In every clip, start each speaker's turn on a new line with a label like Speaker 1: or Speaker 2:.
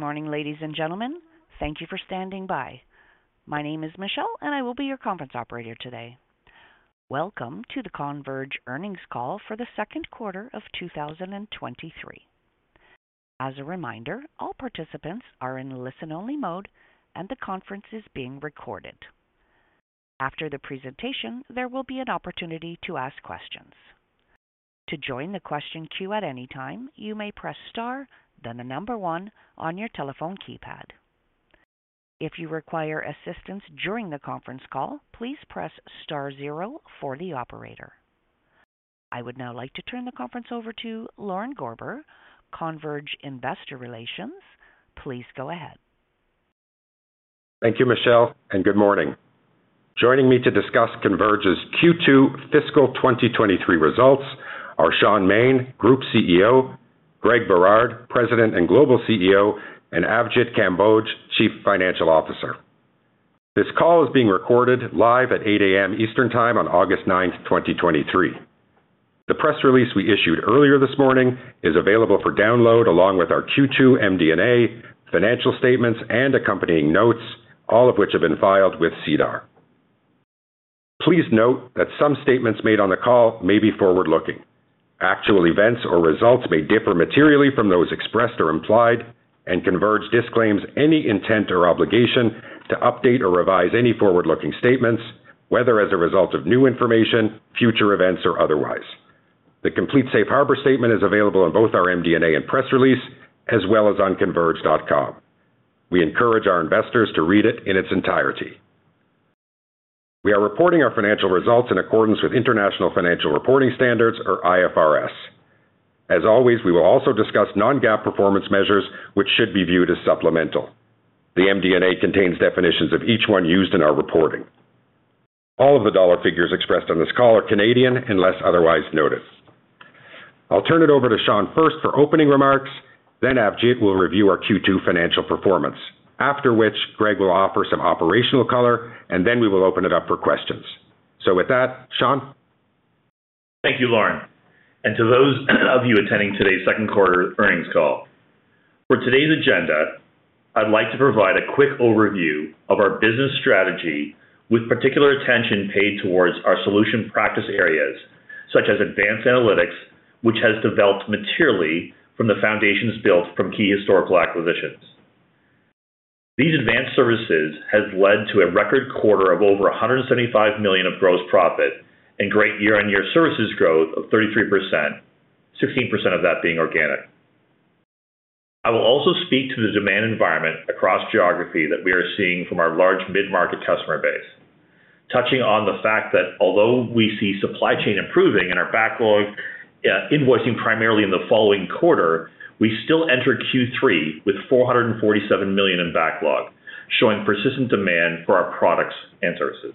Speaker 1: Good morning, ladies and gentlemen. Thank you for standing by. My name is Michelle, and I will be your conference operator today. Welcome to the Converge Earnings Call for the Second Quarter of 2023. As a reminder, all participants are in listen-only mode, and the conference is being recorded. After the presentation, there will be an opportunity to ask questions. To join the question queue at any time, you may press star, then the number one on your telephone keypad. If you require assistance during the conference call, please press star zero for the operator. I would now like to turn the conference over to Lorne Gorber, Converge Investor Relations. Please go ahead.
Speaker 2: Thank you, Michelle, and good morning. Joining me to discuss Converge's Q2 Fiscal 2023 results are Shaun Maine, Group CEO, Greg Berard, President and Global CEO, and Avjit Kamboj, Chief Financial Officer. This call is being recorded live at 8:00 A.M. ET on August 9, 2023. The press release we issued earlier this morning is available for download, along with our Q2 MD&A, financial statements, and accompanying notes, all of which have been filed with SEDAR. Please note that some statements made on the call may be forward-looking. Actual events or results may differ materially from those expressed or implied. Converge disclaims any intent or obligation to update or revise any forward-looking statements, whether as a result of new information, future events, or otherwise. The complete safe harbor statement is available on both our MD&A and press release, as well as on convergetp.com. We encourage our investors to read it in its entirety. We are reporting our financial results in accordance with International Financial Reporting Standards, or IFRS. As always, we will also discuss non-GAAP performance measures, which should be viewed as supplemental. The MD&A contains definitions of each one used in our reporting. All of the dollar figures expressed on this call are Canadian unless otherwise noted. I'll turn it over to Shaun first for opening remarks, then Avjit will review our Q2 financial performance, after which Greg will offer some operational color, and then we will open it up for questions. With that, Shaun?
Speaker 3: Thank you, Lorne, and to those of you attending today's second quarter earnings call. For today's agenda, I'd like to provide a quick overview of our business strategy with particular attention paid towards our solution practice areas, such as Advanced Analytics, which has developed materially from the foundations built from key historical acquisitions. These advanced services has led to a record quarter of over $175 million of gross profit and great year-on-year services growth of 33%, 16% of that being organic. I will also speak to the demand environment across geography that we are seeing from our large mid-market customer base. Touching on the fact that although we see supply chain improving and our backlog invoicing primarily in the following quarter, we still enter Q3 with $447 million in backlog, showing persistent demand for our products and services.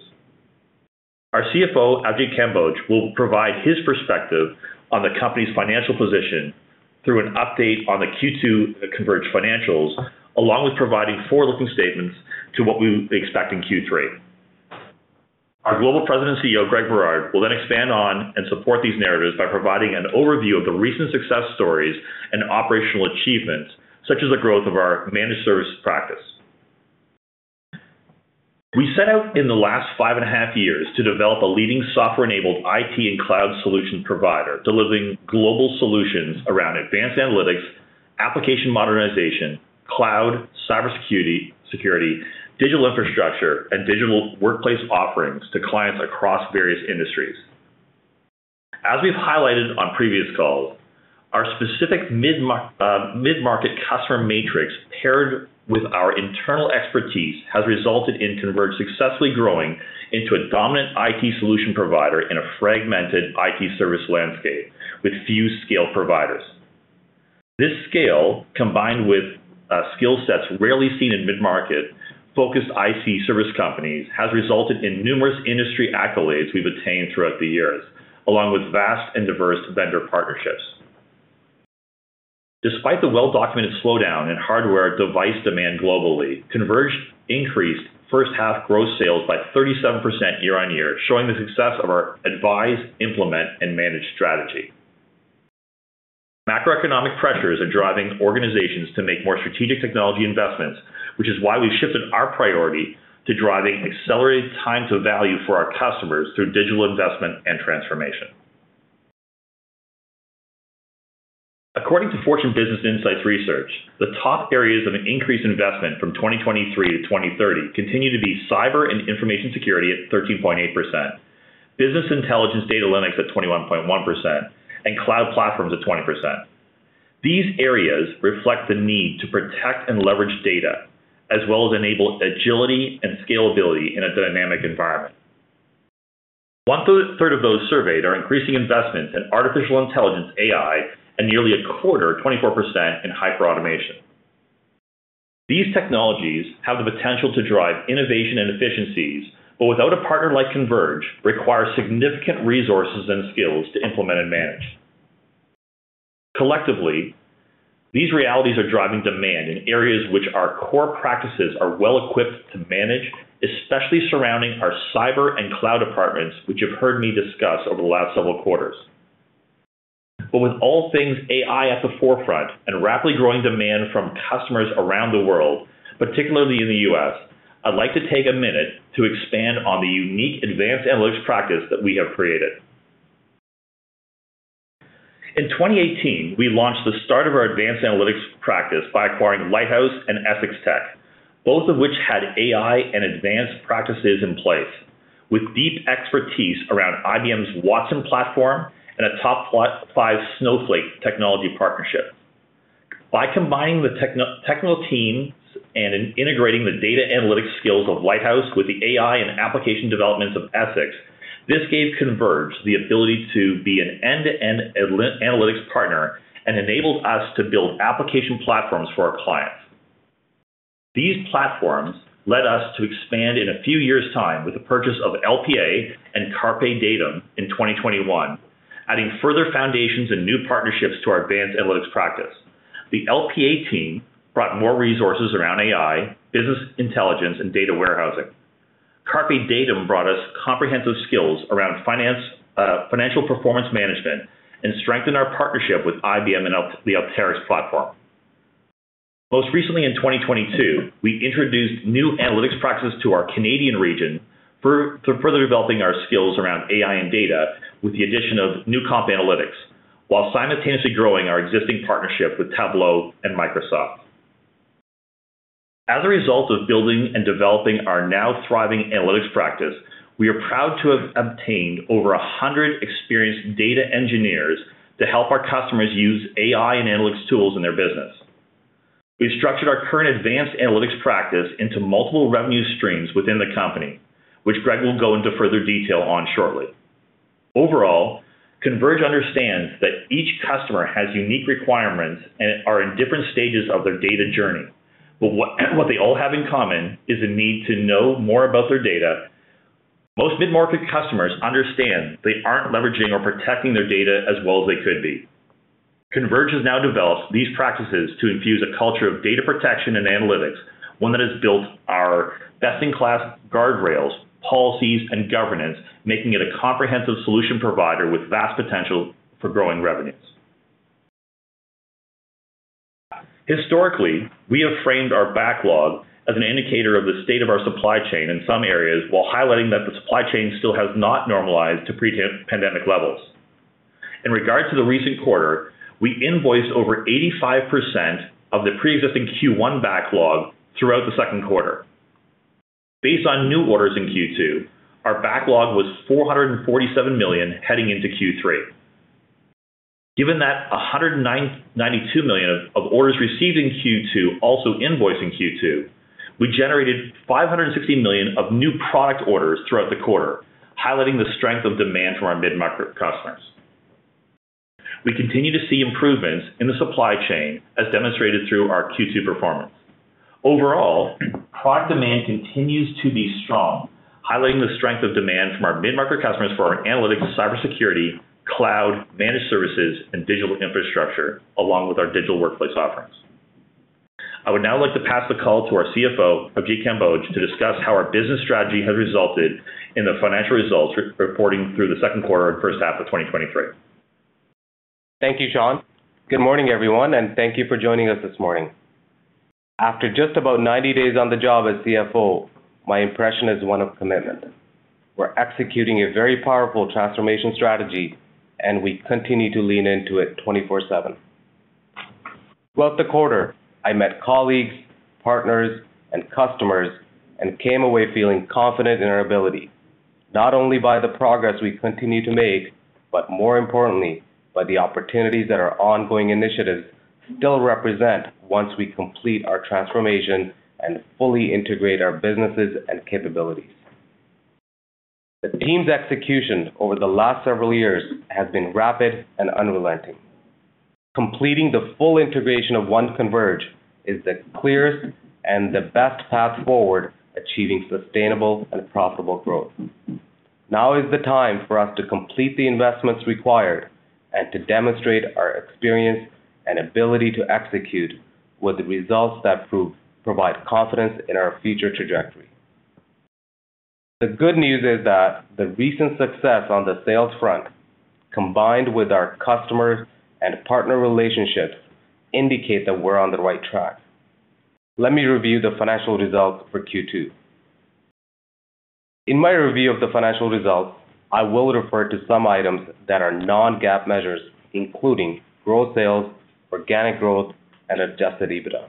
Speaker 3: Our CFO, Avjit Kamboj, will provide his perspective on the company's financial position through an update on the Q2 Converge financials, along with providing forward-looking statements to what we expect in Q3. Our Global President CEO, Greg Berard, will then expand on and support these narratives by providing an overview of the recent success stories and operational achievements, such as the growth of our managed services practice. We set out in the last five and a half years to develop a leading software-enabled IT and cloud solution provider, delivering global solutions around advanced analytics, application modernization, cloud, cybersecurity, security, digital infrastructure, and digital workplace offerings to clients across various industries. As we've highlighted on previous calls, our specific mid-market customer matrix, paired with our internal expertise, has resulted in Converge successfully growing into a dominant IT solution provider in a fragmented IT service landscape with few scale providers. This scale, combined with skill sets rarely seen in mid-market, focused IT service companies, has resulted in numerous industry accolades we've attained throughout the years, along with vast and diverse vendor partnerships. Despite the well-documented slowdown in hardware device demand globally, Converge increased first half gross sales by 37% year-on-year, showing the success of our Advise, Implement, and Manage strategy. Macroeconomic pressures are driving organizations to make more strategic technology investments, which is why we've shifted our priority to driving accelerated time to value for our customers through digital investment and transformation. According to Fortune Business Insights research, the top areas of increased investment from 2023 to 2030 continue to be cyber and information security at 13.8%, business intelligence data analytics at 21.1%, and cloud platforms at 20%. These areas reflect the need to protect and leverage data, as well as enable agility and scalability in a dynamic environment. one-third of those surveyed are increasing investments in artificial intelligence, AI, and nearly a quarter, 24%, in hyperautomation. These technologies have the potential to drive innovation and efficiencies, without a partner like Converge, require significant resources and skills to implement and manage. Collectively, these realities are driving demand in areas which our core practices are well equipped to manage, especially surrounding our cyber and cloud departments, which you've heard me discuss over the last several quarters. With all things AI at the forefront and rapidly growing demand from customers around the world, particularly in the US, I'd like to take a minute to expand on the unique Advanced Analytics practice that we have created. In 2018, we launched the start of our Advanced Analytics practice by acquiring Lighthouse and Essex Tech, both of which had AI and advanced practices in place, with deep expertise around IBM's Watson platform and a top plot five Snowflake technology partnership. By combining the technical teams and integrating the data analytics skills of Lighthouse with the AI and application developments of Essex, this gave Converge the ability to be an end-to-end analytics partner and enabled us to build application platforms for our clients. These platforms led us to expand in a few years time with the purchase of LPA and CarpeDatum in 2021, adding further foundations and new partnerships to our Advanced Analytics practice. The LPA team brought more resources around AI, business intelligence, and data warehousing. CarpeDatum brought us comprehensive skills around finance, financial performance management, and strengthened our partnership with IBM and the Alteryx platform. Most recently, in 2022, we introduced new analytics practices to our Canadian region to further developing our skills around AI and data, with the addition of Newcomp Analytics, while simultaneously growing our existing partnership with Tableau and Microsoft. As a result of building and developing our now thriving analytics practice, we are proud to have obtained over 100 experienced data engineers to help our customers use AI and analytics tools in their business. We've structured our current advanced analytics practice into multiple revenue streams within the company, which Greg will go into further detail on shortly. Overall, Converge understands that each customer has unique requirements and are in different stages of their data journey, but what they all have in common is a need to know more about their data. Most mid-market customers understand they aren't leveraging or protecting their data as well as they could be. Converge has now developed these practices to infuse a culture of data protection and analytics, one that has built our best-in-class guardrails, policies, and governance, making it a comprehensive solution provider with vast potential for growing revenues. Historically, we have framed our backlog as an indicator of the state of our supply chain in some areas, while highlighting that the supply chain still has not normalized to pre-pandemic levels. In regard to the recent quarter, we invoiced over 85% of the pre-existing Q1 backlog throughout the second quarter. Based on new orders in Q2, our backlog was $447 million heading into Q3. Given that $192 million of orders received in Q2, also invoiced in Q2, we generated $560 million of new product orders throughout the quarter, highlighting the strength of demand from our mid-market customers. We continue to see improvements in the supply chain, as demonstrated through our Q2 performance. Overall, product demand continues to be strong, highlighting the strength of demand from our mid-market customers for our analytics, cybersecurity, cloud, managed services, and digital infrastructure, along with our digital workplace offerings. I would now like to pass the call to our CFO, Avjit Kamboj, to discuss how our business strategy has resulted in the financial results reporting through the second quarter and first half of 2023.
Speaker 4: Thank you, Sean. Good morning, everyone, and thank you for joining us this morning. After just about 90 days on the job as CFO, my impression is one of commitment. We're executing a very powerful transformation strategy, and we continue to lean into it 24/7. Throughout the quarter, I met colleagues, partners, and customers and came away feeling confident in our ability, not only by the progress we continue to make, but more importantly, by the opportunities that our ongoing initiatives still represent once we complete our transformation and fully integrate our businesses and capabilities. The team's execution over the last several years has been rapid and unrelenting. Completing the full integration of One Converge is the clearest and the best path forward, achieving sustainable and profitable growth. Now is the time for us to complete the investments required and to demonstrate our experience and ability to execute with the results that prove provide confidence in our future trajectory. The good news is that the recent success on the sales front, combined with our customers and partner relationships, indicate that we're on the right track. Let me review the financial results for Q2. In my review of the financial results, I will refer to some items that are non-GAAP measures, including growth sales, organic growth, and adjusted EBITDA.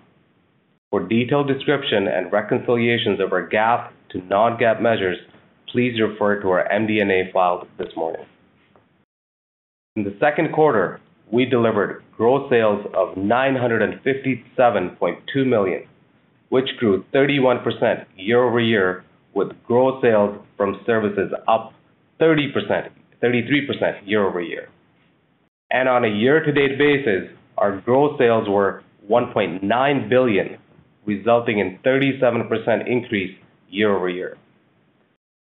Speaker 4: For detailed description and reconciliations of our GAAP to non-GAAP measures, please refer to our MD&A file this morning. In the second quarter, we delivered growth sales of 957.2 million, which grew 31% year-over-year, with growth sales from services up 33% year-over-year. On a year-to-date basis, our gross sales were $1.9 billion, resulting in 37% increase year-over-year.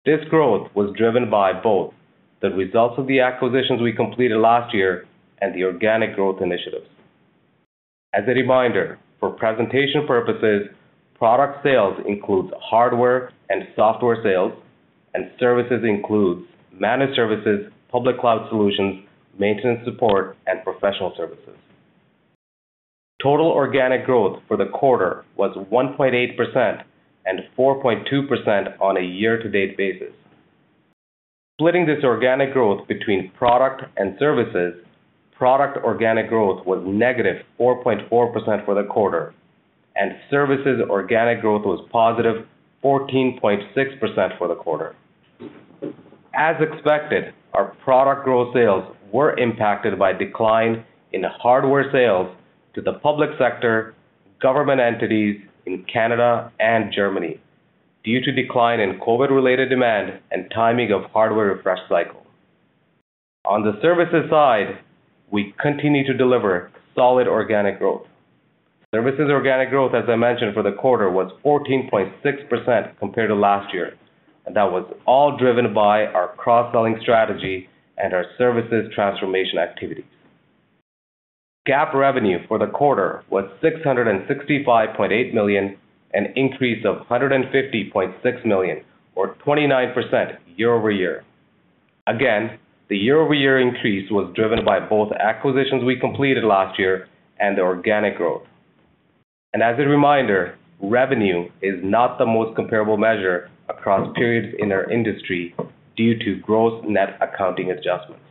Speaker 4: This growth was driven by both the results of the acquisitions we completed last year and the organic growth initiatives. As a reminder, for presentation purposes, product sales include hardware and software sales, and services includes managed services, public cloud solutions, maintenance support, and professional services. Total organic growth for the quarter was 1.8% and 4.2% on a year-to-date basis. Splitting this organic growth between product and services, product organic growth was negative 4.4% for the quarter, and services organic growth was positive 14.6% for the quarter. As expected, our product growth sales were impacted by decline in hardware sales to the public sector, government entities in Canada and Germany, due to decline in COVID-related demand and timing of hardware refresh cycle. On the services side, we continue to deliver solid organic growth. Services organic growth, as I mentioned, for the quarter, was 14.6% compared to last year, and that was all driven by our cross-selling strategy and our services transformation activities. GAAP revenue for the quarter was 665.8 million, an increase of 150.6 million, or 29% year-over-year. Again, the year-over-year increase was driven by both acquisitions we completed last year and the organic growth. As a reminder, revenue is not the most comparable measure across periods in our industry due to gross net accounting adjustments.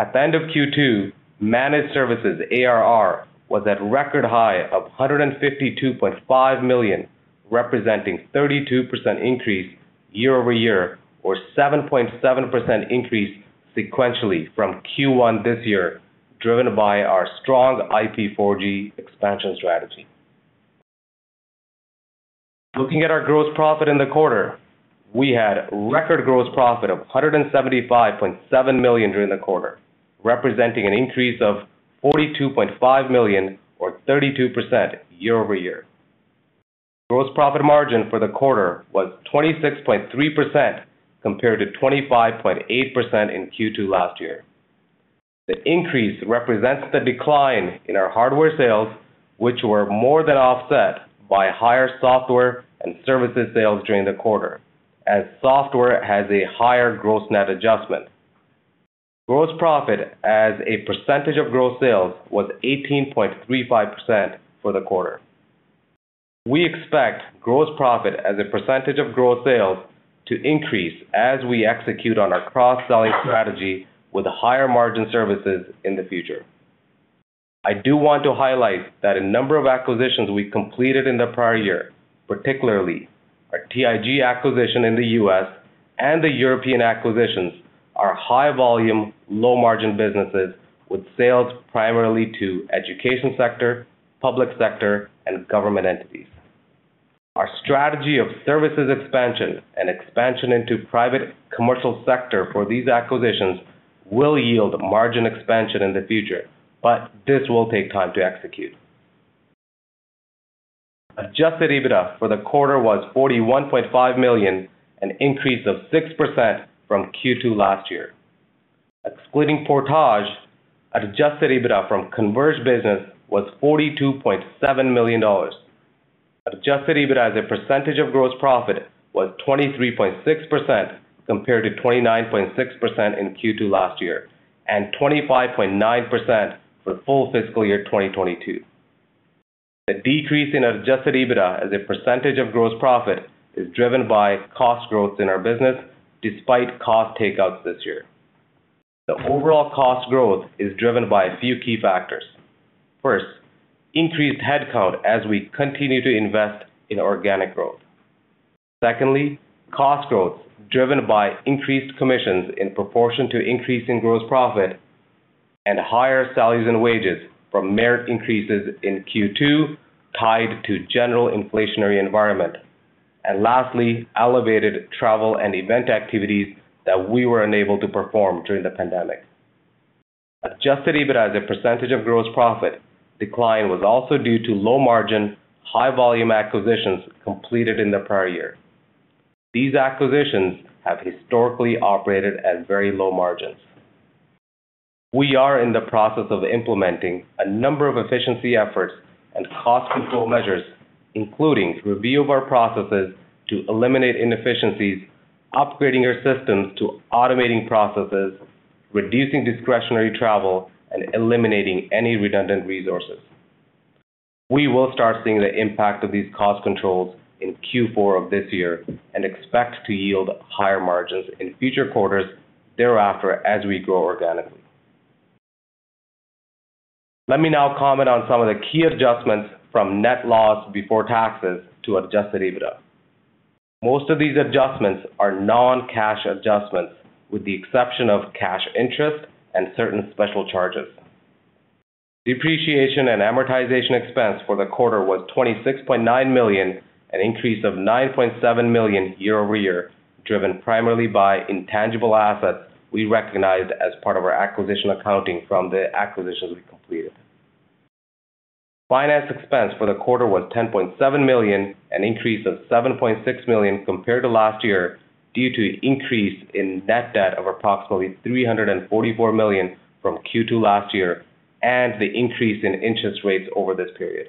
Speaker 4: At the end of Q2, managed services ARR was at record high of $152.5 million, representing 32% increase year-over-year or 7.7% increase sequentially from Q1 this year, driven by our strong IP for G expansion strategy. Looking at our gross profit in the quarter, we had record gross profit of $175.7 million during the quarter, representing an increase of $42.5 million or 32% year-over-year. Gross profit margin for the quarter was 26.3%, compared to 25.8% in Q2 last year. The increase represents the decline in our hardware sales, which were more than offset by higher software and services sales during the quarter, as software has a higher gross net adjustment. Gross profit as a percentage of gross sales was 18.35% for the quarter. We expect gross profit as a percentage of gross sales to increase as we execute on our cross-selling strategy with higher margin services in the future. I do want to highlight that a number of acquisitions we completed in the prior year, particularly our TIG acquisition in the US and the European acquisitions, are high volume, low margin businesses with sales primarily to education sector, public sector, and government entities. Our strategy of services expansion and expansion into private commercial sector for these acquisitions will yield margin expansion in the future, but this will take time to execute. Adjusted EBITDA for the quarter was 41.5 million, an increase of 6% from Q2 last year. Excluding Portage, Adjusted EBITDA from Converge business was 42.7 million dollars. Adjusted EBITDA as a percentage of gross profit was 23.6%, compared to 29.6% in Q2 last year, and 25.9% for full fiscal year 2022. The decrease in Adjusted EBITDA as a percentage of gross profit is driven by cost growth in our business, despite cost takeouts this year. The overall cost growth is driven by a few key factors. First, increased headcount as we continue to invest in organic growth. Secondly, cost growth, driven by increased commissions in proportion to increase in gross profit and higher salaries and wages from merit increases in Q2, tied to general inflationary environment. Lastly, elevated travel and event activities that we were unable to perform during the pandemic. Adjusted EBITDA as a percentage of gross profit decline was also due to low margin, high volume acquisitions completed in the prior year. These acquisitions have historically operated at very low margins. We are in the process of implementing a number of efficiency efforts and cost control measures, including review of our processes to eliminate inefficiencies, upgrading our systems to automating processes, reducing discretionary travel, and eliminating any redundant resources. We will start seeing the impact of these cost controls in Q4 of this year and expect to yield higher margins in future quarters thereafter as we grow organically. Let me now comment on some of the key adjustments from net loss before taxes to Adjusted EBITDA. Most of these adjustments are non-cash adjustments, with the exception of cash interest and certain special charges. Depreciation and amortization expense for the quarter was $26.9 million, an increase of $9.7 million year-over-year, driven primarily by intangible assets we recognized as part of our acquisition accounting from the acquisitions we completed. Finance expense for the quarter was $10.7 million, an increase of $7.6 million compared to last year, due to increase in net debt of approximately $344 million from Q2 last year, and the increase in interest rates over this period.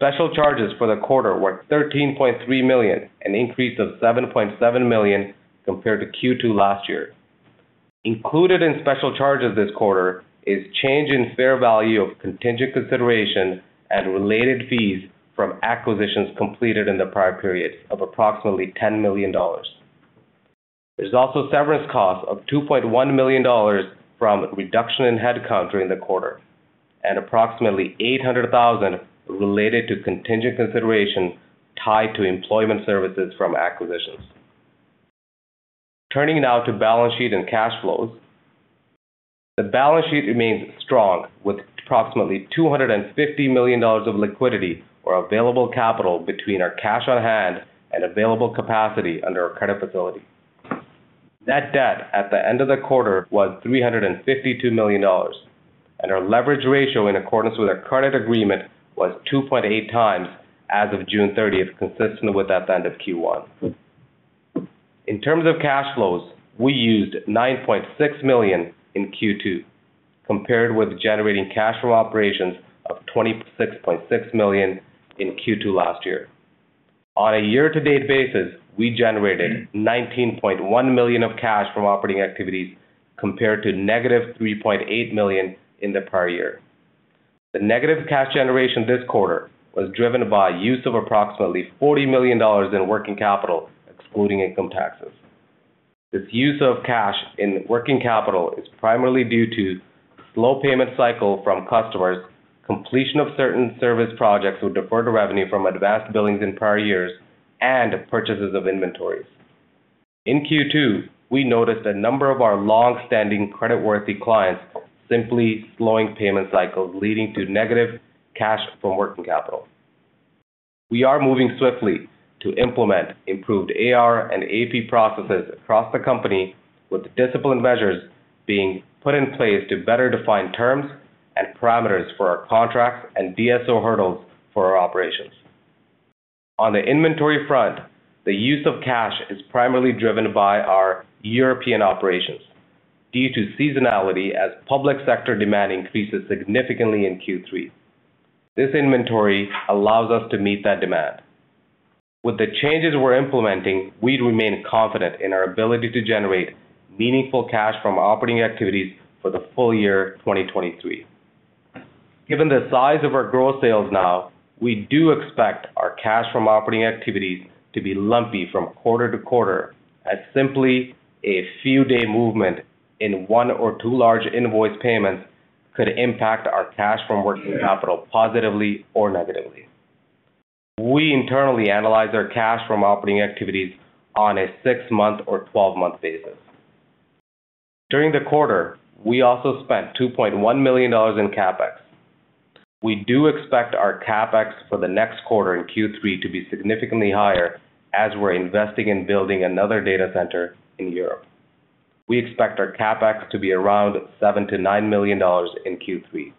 Speaker 4: Special charges for the quarter were $13.3 million, an increase of $7.7 million compared to Q2 last year. Included in special charges this quarter is change in fair value of contingent consideration and related fees from acquisitions completed in the prior period of approximately $10 million. There's also severance costs of 2.1 million dollars from reduction in headcount during the quarter, and approximately 800,000 related to contingent consideration tied to employment services from acquisitions. Now, to balance sheet and cash flows. The balance sheet remains strong, with approximately 250 million dollars of liquidity or available capital between our cash on hand and available capacity under our credit facility. Net debt at the end of the quarter was 352 million dollars, and our leverage ratio, in accordance with our credit agreement, was 2.8 times as of June thirtieth, consistent with that end of Q1. In terms of cash flows, we used 9.6 million in Q2, compared with generating cash flow operations of 26.6 million in Q2 last year. On a year-to-date basis, we generated 19.1 million of cash from operating activities, compared to negative 3.8 million in the prior year. The negative cash generation this quarter was driven by use of approximately 40 million dollars in working capital, excluding income taxes. This use of cash in working capital is primarily due to slow payment cycle from customers, completion of certain service projects with deferred revenue from advanced billings in prior years, and purchases of inventories. In Q2, we noticed a number of our long-standing credit-worthy clients simply slowing payment cycles, leading to negative cash from working capital. We are moving swiftly to implement improved AR and AP processes across the company, with disciplined measures being put in place to better define terms and parameters for our contracts and DSO hurdles for our operations. On the inventory front, the use of cash is primarily driven by our European operations due to seasonality as public sector demand increases significantly in Q3. This inventory allows us to meet that demand. With the changes we're implementing, we remain confident in our ability to generate meaningful cash from operating activities for the full year 2023. Given the size of our growth sales now, we do expect our cash from operating activities to be lumpy from quarter to quarter, as simply a few day movement in one or two large invoice payments could impact our cash from working capital positively or negatively. We internally analyze our cash from operating activities on a six-month or twelve-month basis. During the quarter, we also spent 2.1 million dollars in CapEx. We do expect our CapEx for the next quarter in Q3 to be significantly higher as we're investing in building another data center in Europe. We expect our CapEx to be around $7 million-$9 million in Q3.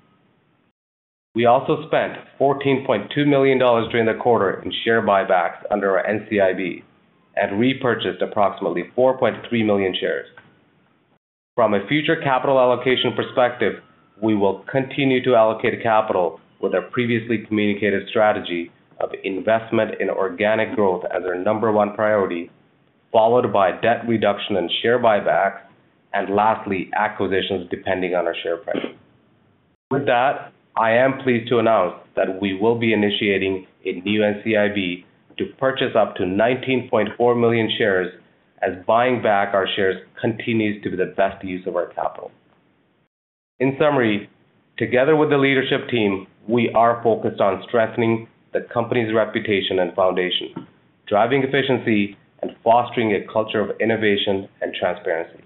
Speaker 4: We also spent $14.2 million during the quarter in share buybacks under our NCIB, and repurchased approximately 4.3 million shares. From a future capital allocation perspective, we will continue to allocate capital with our previously communicated strategy of investment in organic growth as our number one priority, followed by debt reduction and share buybacks, and lastly, acquisitions, depending on our share price. With that, I am pleased to announce that we will be initiating a new NCIB to purchase up to 19.4 million shares, as buying back our shares continues to be the best use of our capital. In summary, together with the leadership team, we are focused on strengthening the company's reputation and foundation, driving efficiency, and fostering a culture of innovation and transparency,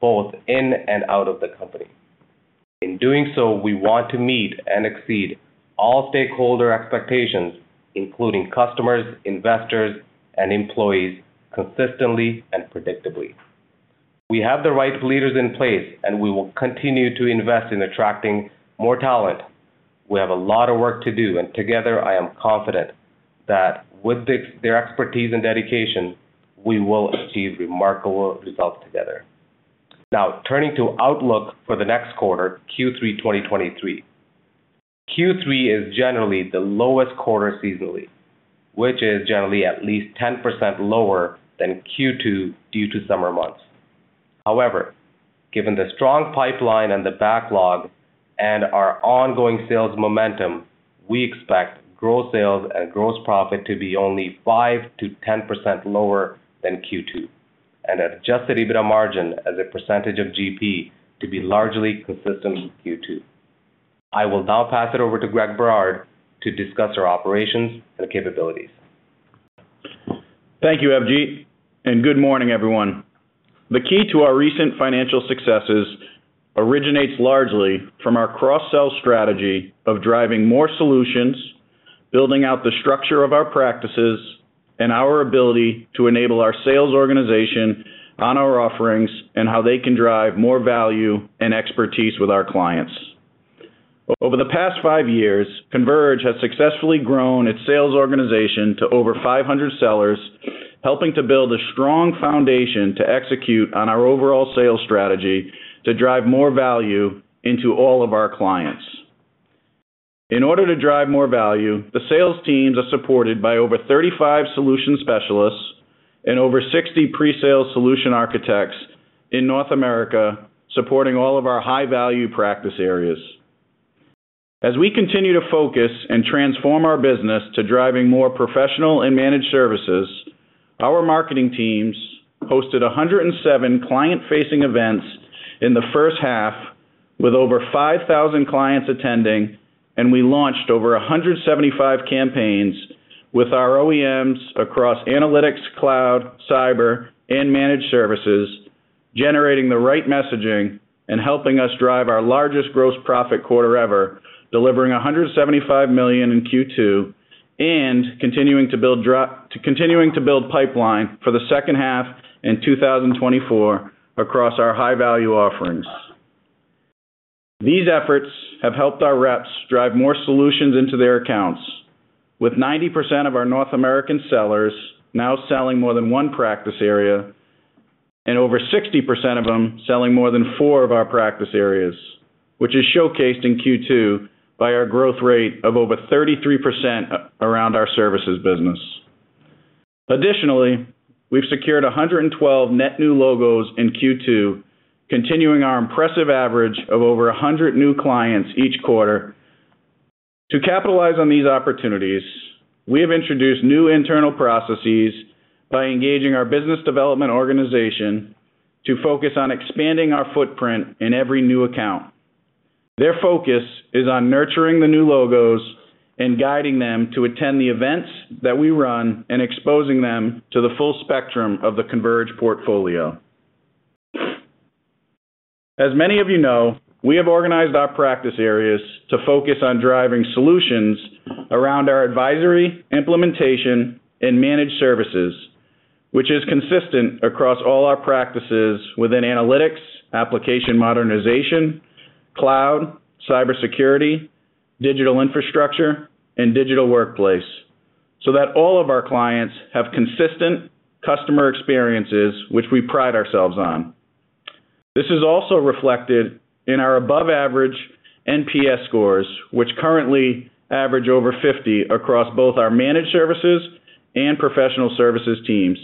Speaker 4: both in and out of the company. In doing so, we want to meet and exceed all stakeholder expectations, including customers, investors, and employees, consistently and predictably. We have the right leaders in place, and we will continue to invest in attracting more talent. We have a lot of work to do, and together, I am confident that with their expertise and dedication, we will achieve remarkable results together. Now, turning to outlook for the next quarter, Q3 2023. Q3 is generally the lowest quarter seasonally, which is generally at least 10% lower than Q2 due to summer months. However, given the strong pipeline and the backlog and our ongoing sales momentum, we expect growth sales and gross profit to be only 5%-10% lower than Q2, and Adjusted EBITDA margin as a percentage of GP to be largely consistent with Q2. I will now pass it over to Greg Berard to discuss our operations and capabilities.
Speaker 5: Thank you, Avjit, and good morning, everyone. The key to our recent financial successes originates largely from our cross-sell strategy of driving more solutions, building out the structure of our practices and our ability to enable our sales organization on our offerings, and how they can drive more value and expertise with our clients. Over the past five years, Converge has successfully grown its sales organization to over 500 sellers, helping to build a strong foundation to execute on our overall sales strategy to drive more value into all of our clients. In order to drive more value, the sales teams are supported by over 35 solution specialists and over 60 pre-sales solution architects in North America, supporting all of our high-value practice areas. We continue to focus and transform our business to driving more professional and managed services, our marketing teams hosted 107 client-facing events in the first half, with over 5,000 clients attending, and we launched over 175 campaigns with our OEMs across analytics, cloud, cyber, and managed services, generating the right messaging and helping us drive our largest gross profit quarter ever, delivering $175 million in Q2, and continuing to build pipeline for the second half in 2024 across our high-value offerings. These efforts have helped our reps drive more solutions into their accounts, with 90% of our North American sellers now selling more than 1 practice area, and over 60% of them selling more than 4 of our practice areas, which is showcased in Q2 by our growth rate of over 33% around our services business. Additionally, we've secured 112 net new logos in Q2, continuing our impressive average of over 100 new clients each quarter. To capitalize on these opportunities, we have introduced new internal processes by engaging our business development organization to focus on expanding our footprint in every new account. Their focus is on nurturing the new logos and guiding them to attend the events that we run, and exposing them to the full spectrum of the Converge portfolio. As many of you know, we have organized our practice areas to focus on driving solutions around our advisory, implementation, and managed services, which is consistent across all our practices within analytics, application modernization, cloud, cybersecurity, digital infrastructure, and digital workplace, so that all of our clients have consistent customer experiences, which we pride ourselves on. This is also reflected in our above-average NPS scores, which currently average over 50 across both our managed services and professional services teams,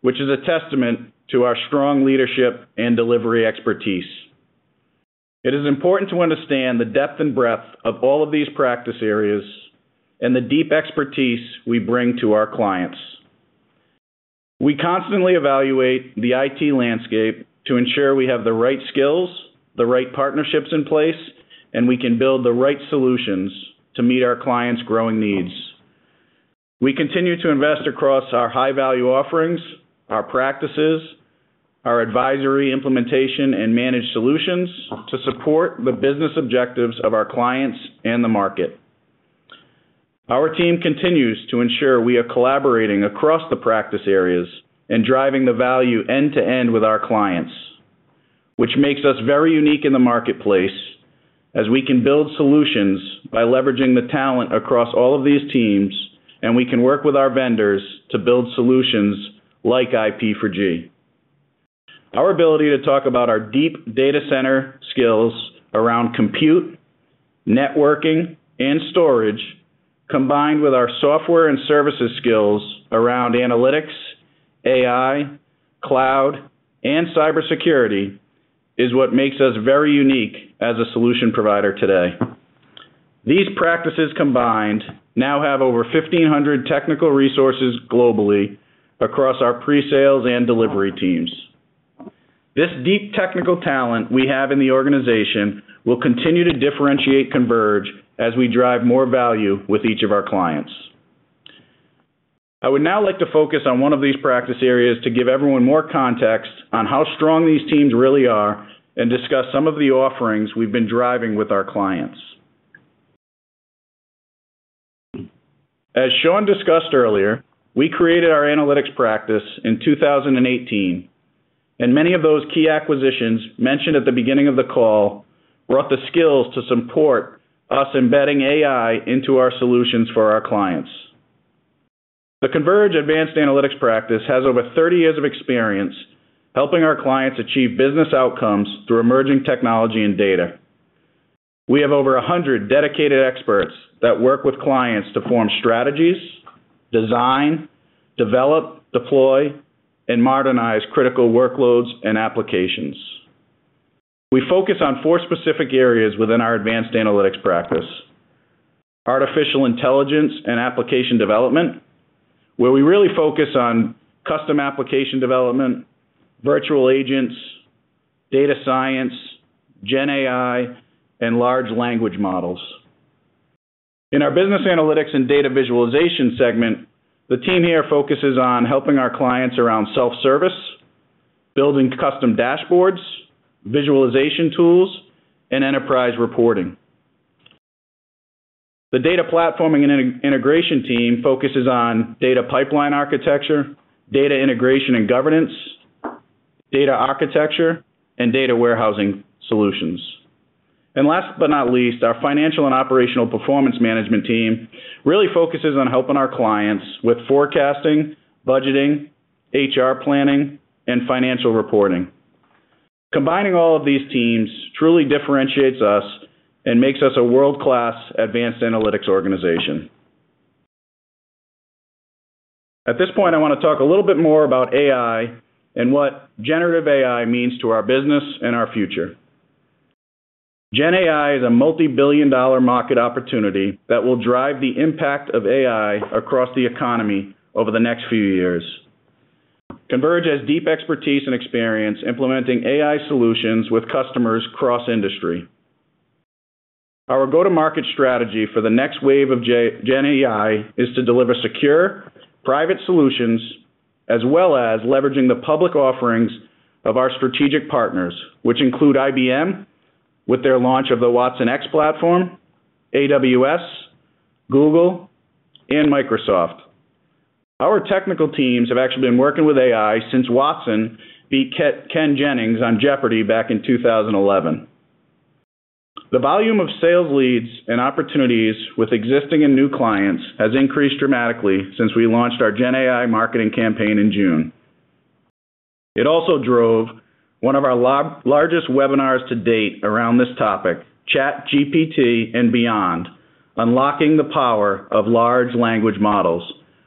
Speaker 5: which is a testament to our strong leadership and delivery expertise. It is important to understand the depth and breadth of all of these practice areas and the deep expertise we bring to our clients. We constantly evaluate the IT landscape to ensure we have the right skills, the right partnerships in place, and we can build the right solutions to meet our clients' growing needs. We continue to invest across our high-value offerings, our practices, our advisory, implementation, and managed solutions to support the business objectives of our clients and the market. Our team continues to ensure we are collaborating across the practice areas and driving the value end-to-end with our clients, which makes us very unique in the marketplace, as we can build solutions by leveraging the talent across all of these teams, and we can work with our vendors to build solutions like IP for G. Our ability to talk about our deep data center skills around compute, networking, and storage, combined with our software and services skills around analytics, AI, cloud, and cybersecurity, is what makes us very unique as a solution provider today. These practices combined now have over 1,500 technical resources globally across our pre-sales and delivery teams. This deep technical talent we have in the organization will continue to differentiate Converge as we drive more value with each of our clients. I would now like to focus on one of these practice areas to give everyone more context on how strong these teams really are and discuss some of the offerings we've been driving with our clients. As Sean discussed earlier, we created our analytics practice in 2018, and many of those key acquisitions mentioned at the beginning of the call brought the skills to support us embedding AI into our solutions for our clients. The Converge Advanced Analytics practice has over 30 years of experience helping our clients achieve business outcomes through emerging technology and data. We have over 100 dedicated experts that work with clients to form strategies, design, develop, deploy, and modernize critical workloads and applications. We focus on four specific areas within our Advanced Analytics practice: Artificial Intelligence and application development, where we really focus on custom application development, virtual agents, data science, GenAI, and large language models. In our business analytics and data visualization segment, the team here focuses on helping our clients around self-service, building custom dashboards, visualization tools, and enterprise reporting. The data platforming and integration team focuses on data pipeline architecture, data integration and governance, data architecture, and data warehousing solutions. Last but not least, our Financial and operational performance management team really focuses on helping our clients with forecasting, budgeting, HR planning, and financial reporting. Combining all of these teams truly differentiates us and makes us a world-class Advanced Analytics organization. At this point, I want to talk a little bit more about AI and what generative AI means to our business and our future. Gen AI is a multi-billion dollar market opportunity that will drive the impact of AI across the economy over the next few years. Converge has deep expertise and experience implementing AI solutions with customers cross-industry. Our go-to-market strategy for the next wave of Gen AI is to deliver secure, private solutions, as well as leveraging the public offerings of our strategic partners, which include IBM, with their launch of the Watsonx platform, AWS, Google, and Microsoft. Our technical teams have actually been working with AI since Watson beat Ken Jennings on Jeopardy back in 2011. The volume of sales leads and opportunities with existing and new clients has increased dramatically since we launched our Gen AI marketing campaign in June. It also drove one of our largest webinars to date around this topic, ChatGPT and Beyond: Unlocking the Power of Large Language Models,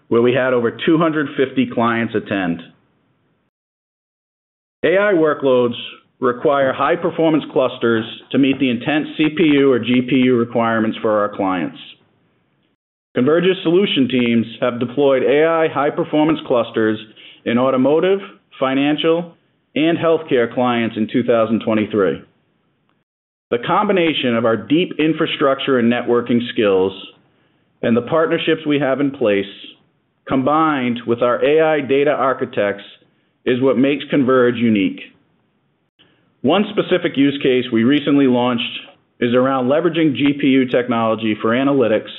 Speaker 5: where we had over 250 clients attend. AI workloads require high-performance clusters to meet the intense CPU or GPU requirements for our clients. Converge's solution teams have deployed AI high-performance clusters in automotive, financial, and healthcare clients in 2023. The combination of our deep infrastructure and networking skills and the partnerships we have in place, combined with our AI data architects, is what makes Converge unique. One specific use case we recently launched is around leveraging GPU technology for analytics,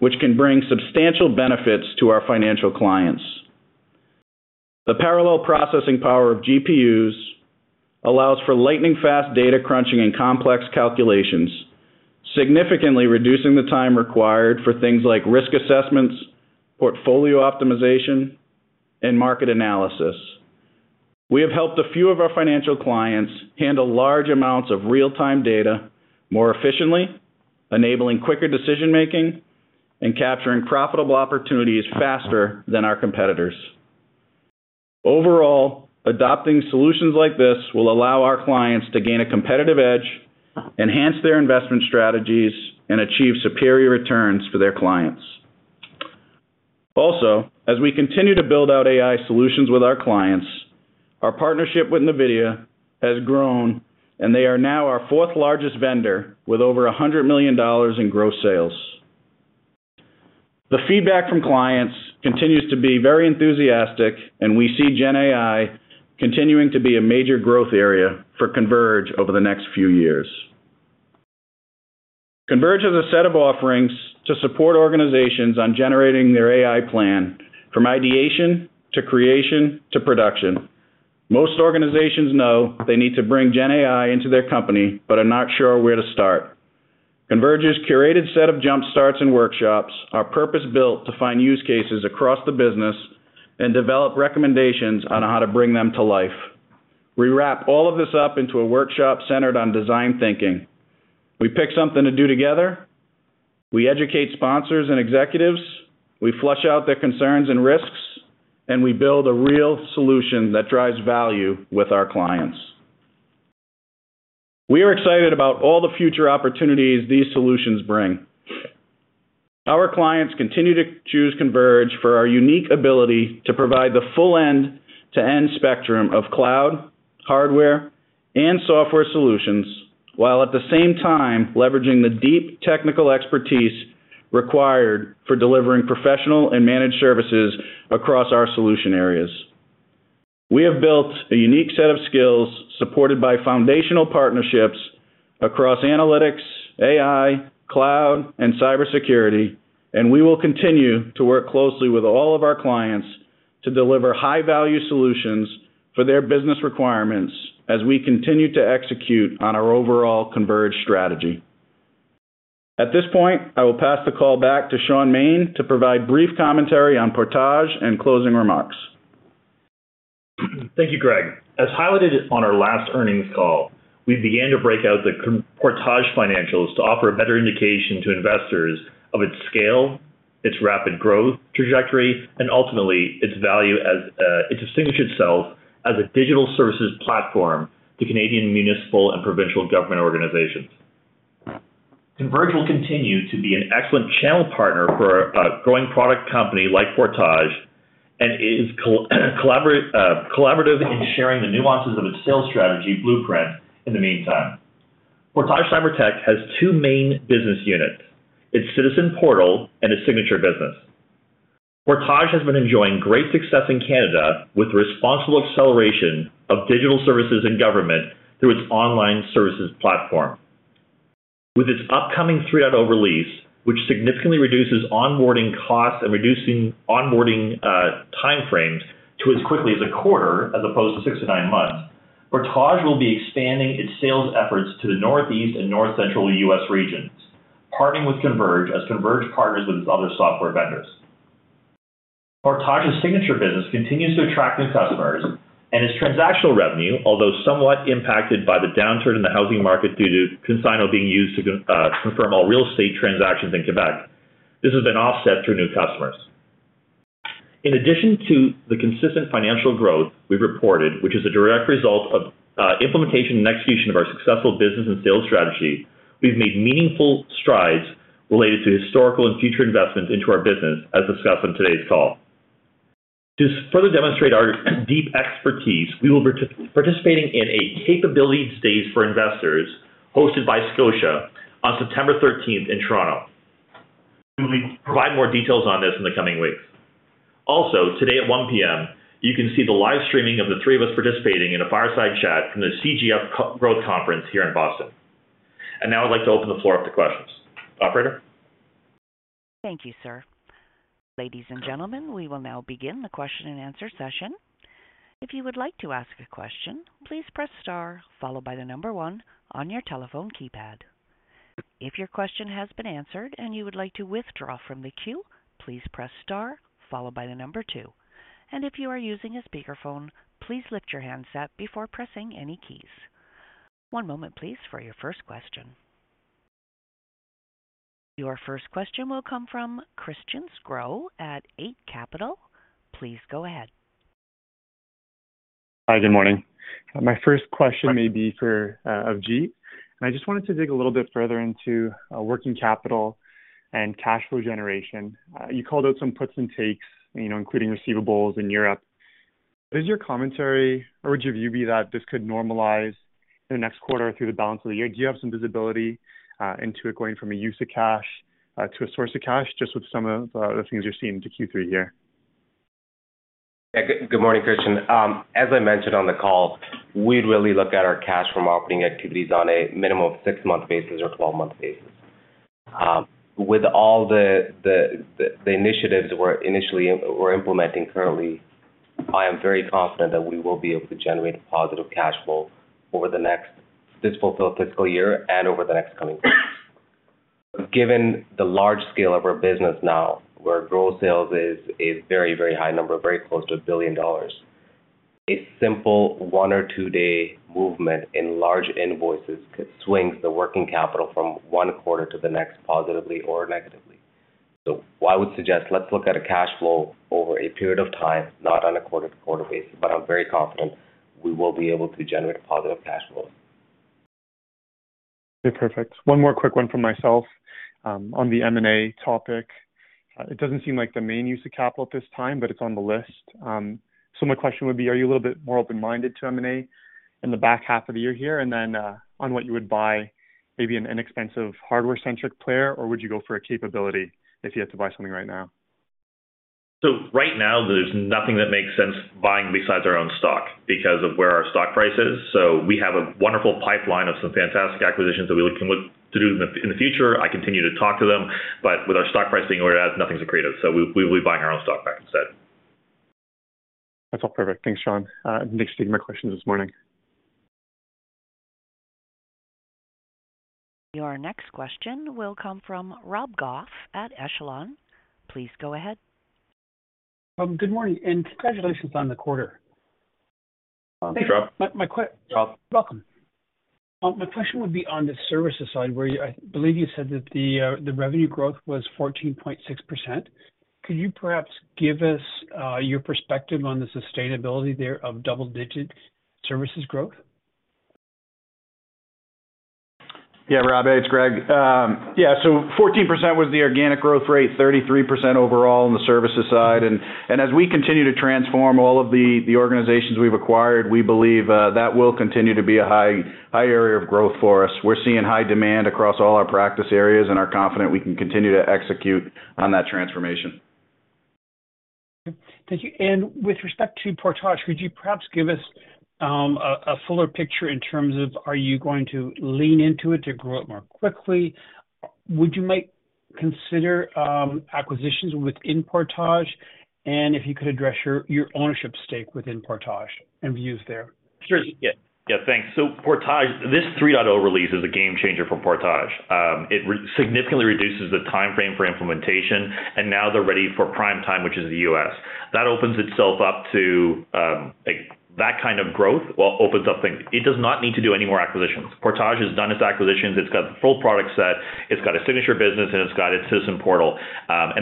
Speaker 5: which can bring substantial benefits to our financial clients. The parallel processing power of GPUs allows for lightning-fast data crunching and complex calculations, significantly reducing the time required for things like risk assessments, portfolio optimization, and market analysis. We have helped a few of our financial clients handle large amounts of real-time data more efficiently, enabling quicker decision-making and capturing profitable opportunities faster than our competitors. Overall, adopting solutions like this will allow our clients to gain a competitive edge, enhance their investment strategies, and achieve superior returns for their clients. As we continue to build out AI solutions with our clients, our partnership with NVIDIA has grown, and they are now our fourth-largest vendor, with over $100 million in gross sales. The feedback from clients continues to be very enthusiastic, and we see Gen AI continuing to be a major growth area for Converge over the next few years. Converge has a set of offerings to support organizations on generating their AI plan from ideation to creation to production. Most organizations know they need to bring Gen AI into their company but are not sure where to start. Converge's curated set of jumpstarts and workshops are purpose-built to find use cases across the business and develop recommendations on how to bring them to life. We wrap all of this up into a workshop centered on design thinking. We pick something to do together, we educate sponsors and executives, we flush out their concerns and risks, and we build a real solution that drives value with our clients. We are excited about all the future opportunities these solutions bring. Our clients continue to choose Converge for our unique ability to provide the full end-to-end spectrum of cloud, hardware, and software solutions, while at the same time leveraging the deep technical expertise required for delivering professional and managed services across our solution areas. We have built a unique set of skills supported by foundational partnerships across analytics, AI, cloud, and cybersecurity, and we will continue to work closely with all of our clients to deliver high-value solutions for their business requirements as we continue to execute on our overall converged strategy. At this point, I will pass the call back to Shaun Maine to provide brief commentary on Portage and closing remarks.
Speaker 3: Thank you, Greg. As highlighted on our last earnings call, we began to break out the Portage financials to offer a better indication to investors of its scale, its rapid growth trajectory, and ultimately, its value as. It distinguished itself as a digital services platform to Canadian municipal and provincial government organizations. Converge will continue to be an excellent channel partner for a, a growing product company like Portage, and is collaborative in sharing the nuances of its sales strategy blueprint in the meantime. Portage CyberTech has two main business units, its citizen portal and its signature business. Portage has been enjoying great success in Canada with responsible acceleration of digital services and government through its online services platform. With its upcoming 3.0 release, which significantly reduces onboarding costs and reducing onboarding time frames to as quickly as a quarter, as opposed to 6-9 months, Portage will be expanding its sales efforts to the Northeast and North Central U.S. regions, partnering with Converge, as Converge partners with other software vendors. Portage's signature business continues to attract new customers and its transactional revenue, although somewhat impacted by the downturn in the housing market due to ConsignO being used to confirm all real estate transactions in Quebec. This has been offset through new customers. In addition to the consistent financial growth we've reported, which is a direct result of implementation and execution of our successful business and sales strategy, we've made meaningful strides related to historical and future investments into our business, as discussed on today's call. To further demonstrate our deep expertise, we will be participating in a capability stage for investors hosted by Scotia on September 13th in Toronto. We will provide more details on this in the coming weeks. Today at 1:00 P.M., you can see the live streaming of the three of us participating in a fireside chat from the CGF Growth Conference here in Boston. Now I'd like to open the floor up to questions. Operator?
Speaker 1: Thank you, sir. Ladies and gentlemen, we will now begin the question-and-answer session. If you would like to ask a question, please press star followed by the number one on your telephone keypad. If your question has been answered and you would like to withdraw from the queue, please press star followed by the number two. If you are using a speakerphone, please lift your handset before pressing any keys. One moment, please, for your first question. Your first question will come from Christian Sgro at Eight Capital. Please go ahead.
Speaker 6: Hi, good morning. My first question may be for Avjit, and I just wanted to dig a little bit further into working capital and cash flow generation. You called out some puts and takes, you know, including receivables in Europe. Does your commentary or would your view be that this could normalize in the next quarter through the balance of the year? Do you have some visibility into it going from a use of cash to a source of cash, just with some of the things you're seeing into Q3 here?
Speaker 4: Yeah, good morning, Christian. As I mentioned on the call, we'd really look at our cash from operating activities on a minimum of 6-month basis or 12-month basis. With all the initiatives we're implementing currently, I am very confident that we will be able to generate a positive cash flow over the next fiscal year and over the next coming years. Given the large scale of our business now, where gross sales is a very, very high number, very close to 1 billion dollars, a simple one or two-day movement in large invoices could swing the working capital from one quarter to the next, positively or negatively. I would suggest let's look at a cash flow over a period of time, not on a quarter-to-quarter basis, but I'm very confident we will be able to generate a positive cash flow.
Speaker 6: Okay, perfect. One more quick one from myself, on the M&A topic. It doesn't seem like the main use of capital at this time, but it's on the list. My question would be, are you a little bit more open-minded to M&A in the back half of the year here? On what you would buy, maybe an inexpensive, hardware-centric player, or would you go for a capability if you had to buy something right now?
Speaker 3: Right now, there's nothing that makes sense buying besides our own stock because of where our stock price is. We have a wonderful pipeline of some fantastic acquisitions that we're looking with to do in the future. I continue to talk to them, but with our stock price being where it is, nothing's accretive, we will be buying our own stock back instead.
Speaker 6: That's all perfect. Thanks, Shaun. Thanks for taking my questions this morning.
Speaker 1: Your next question will come from Rob Goff at Echelon. Please go ahead.
Speaker 7: Good morning and congratulations on the quarter.
Speaker 3: Thanks, Rob.
Speaker 7: My, my.
Speaker 3: Rob.
Speaker 7: Welcome. My question would be on the services side, where I believe you said that the revenue growth was 14.6%. Could you perhaps give us your perspective on the sustainability there of double-digit services growth?
Speaker 5: Yeah, Rob, it's Greg. Yeah, so 14% was the organic growth rate, 33% overall in the services side. And as we continue to transform all of the organizations we've acquired, we believe that will continue to be a high, high area of growth for us. We're seeing high demand across all our practice areas and are confident we can continue to execute on that transformation.
Speaker 7: Thank you. With respect to Portage, could you perhaps give us a fuller picture in terms of are you going to lean into it to grow it more quickly? Would you might consider acquisitions within Portage? If you could address your ownership stake within Portage and views there?
Speaker 3: Sure. Yeah, yeah, thanks. Portage, this 3.0 release is a game changer for Portage. It significantly reduces the timeframe for implementation, and now they're ready for prime time, which is the U.S. That opens itself up to, like, that kind of growth, well, opens up things. It does not need to do any more acquisitions. Portage has done its acquisitions, it's got the full product set, it's got a signature business, and it's got its citizen portal.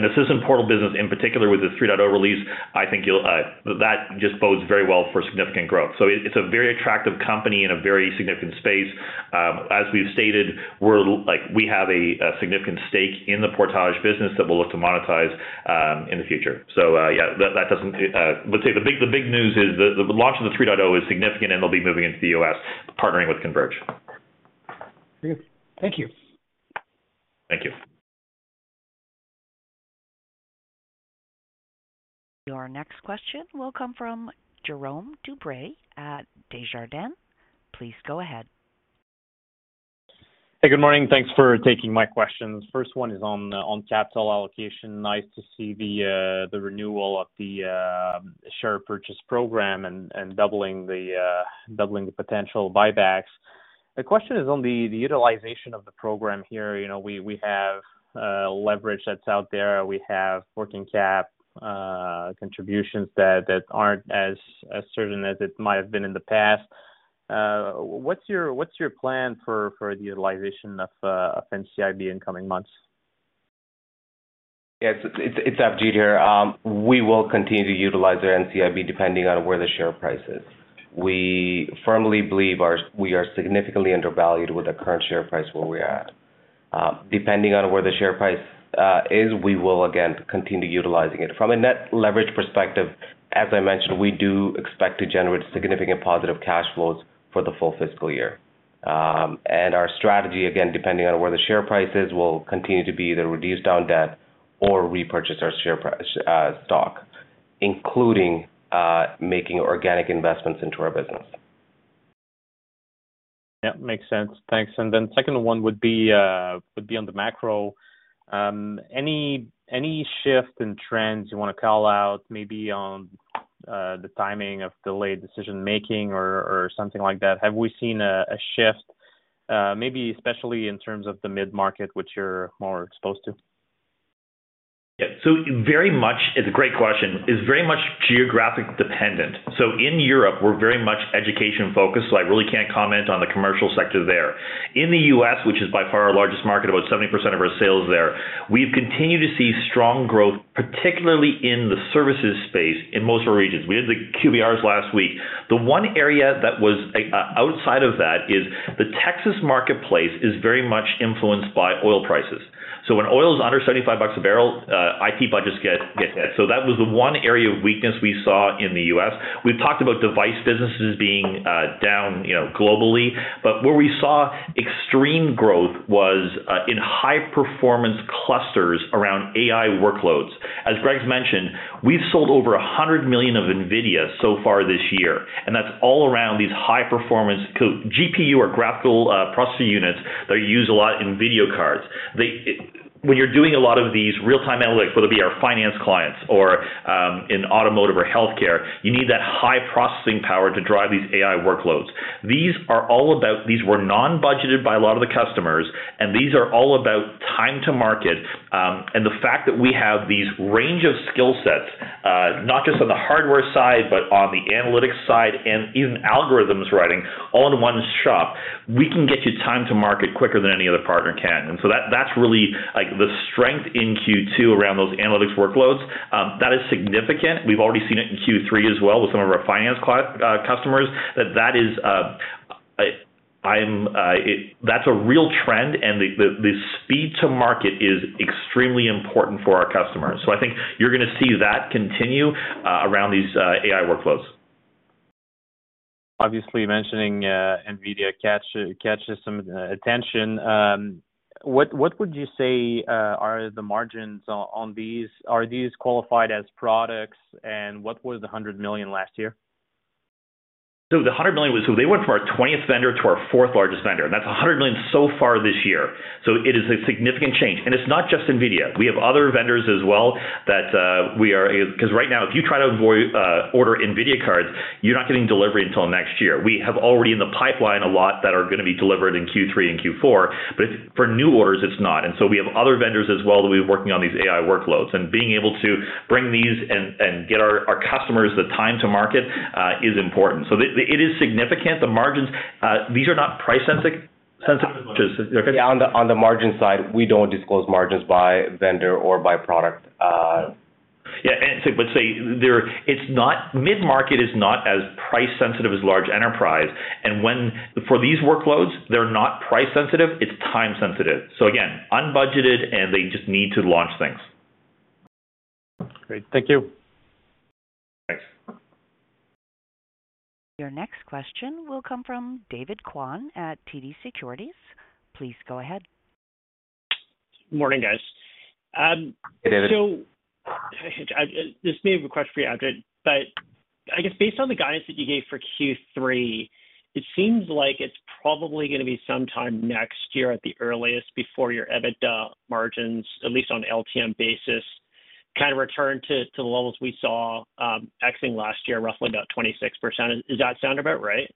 Speaker 3: The citizen portal business in particular with the 3.0 release, I think you'll, that just bodes very well for significant growth. It, it's a very attractive company in a very significant space. As we've stated, we're like, we have a, a significant stake in the Portage business that we'll look to monetize in the future. Yeah, that, that doesn't. The big, the big news is the, the launch of the 3.0 is significant, and they'll be moving into the U.S., partnering with Converge.
Speaker 7: Great. Thank you.
Speaker 4: Thank you.
Speaker 1: Your next question will come from Jérome Dubreuil at Desjardins. Please go ahead.
Speaker 8: Hey, good morning. Thanks for taking my questions. First one is on, on capital allocation. Nice to see the, the renewal of the share purchase program and, and doubling the doubling the potential buybacks. The question is on the, the utilization of the program here. You know, we, we have leverage that's out there. We have working cap contributions that, that aren't as, as certain as it might have been in the past. What's your, what's your plan for, for the utilization of NCIB in coming months?
Speaker 4: Yes, it's, it's Avjit here. We will continue to utilize the NCIB depending on where the share price is. We firmly believe we are significantly undervalued with the current share price where we're at. Depending on where the share price is, we will again continue utilizing it. From a net leverage perspective, as I mentioned, we do expect to generate significant positive cash flows for the full fiscal year. Our strategy, again, depending on where the share price is, will continue to be either reduce down debt or repurchase our share price stock, including making organic investments into our business.
Speaker 8: Yeah, makes sense. Thanks. Second one would be on the macro. Any, any shift in trends you want to call out, maybe on the timing of delayed decision-making or, or something like that? Have we seen a, a shift, maybe especially in terms of the mid-market, which you're more exposed to?
Speaker 4: Yeah.
Speaker 3: Very much, it's a great question, is very much geographic dependent. In Europe, we're very much education focused, so I really can't comment on the commercial sector there. In the U.S., which is by far our largest market, about 70% of our sales are there, we've continued to see strong growth, particularly in the services space in most of our regions. We had the QBRs last week. The one area that was outside of that is the Texas marketplace is very much influenced by oil prices. When oil is under $75 a barrel, IT budgets get, get hit. That was the one area of weakness we saw in the U.S. We've talked about device businesses being down, you know, globally, but where we saw extreme growth was in high-performance clusters around AI workloads. As Greg's mentioned, we've sold over $100 million of NVIDIA so far this year, and that's all around these high-performance GPU or graphical processing units that are used a lot in video cards. They, when you're doing a lot of these real-time analytics, whether it be our finance clients or in automotive or healthcare, you need that high processing power to drive these AI workloads. These were non-budgeted by a lot of the customers, and these are all about time to market. The fact that we have these range of skill sets, not just on the hardware side, but on the analytics side and even algorithms writing all in one shop, we can get you time to market quicker than any other partner can. So that, that's really, like, the strength in Q2 around those analytics workloads. That is significant. We've already seen it in Q3 as well with some of our finance customers. That, that is that's a real trend, and the, the, the speed to market is extremely important for our customers. I think you're going to see that continue around these AI workloads.
Speaker 8: Obviously, mentioning NVIDIA catch, catches some attention. What, what would you say are the margins on, on these? Are these qualified as products, and what was the $100 million last year?
Speaker 3: The $100 million was, they went from our 20th vendor to our 4th largest vendor, and that's $100 million so far this year. It is a significant change. It's not just NVIDIA. We have other vendors as well that we are. Because right now, if you try to avoid order NVIDIA cards, you're not getting delivery until next year. We have already in the pipeline, a lot that are going to be delivered in Q3 and Q4, but for new orders, it's not. We have other vendors as well, that we're working on these AI workloads. Being able to bring these and, and get our, our customers the time to market is important. It is significant, the margins. These are not price-sensitive.
Speaker 4: On the, on the margin side, we don't disclose margins by vendor or by product.
Speaker 3: Yeah, let's say there, mid-market is not as price sensitive as large enterprise, and when, for these workloads, they're not price sensitive, it's time sensitive. Again, unbudgeted, and they just need to launch things.
Speaker 8: Great. Thank you.
Speaker 3: Thanks.
Speaker 1: Your next question will come from David Kwan at TD Securities. Please go ahead.
Speaker 9: Morning, guys.
Speaker 4: Hey, David.
Speaker 9: This may have a question for you, Avjit, but I guess based on the guidance that you gave for Q3, it seems like it's probably going to be sometime next year, at the earliest, before your EBITDA margins, at least on LTM basis, kind of return to, to the levels we saw, exiting last year, roughly about 26%. Does that sound about right?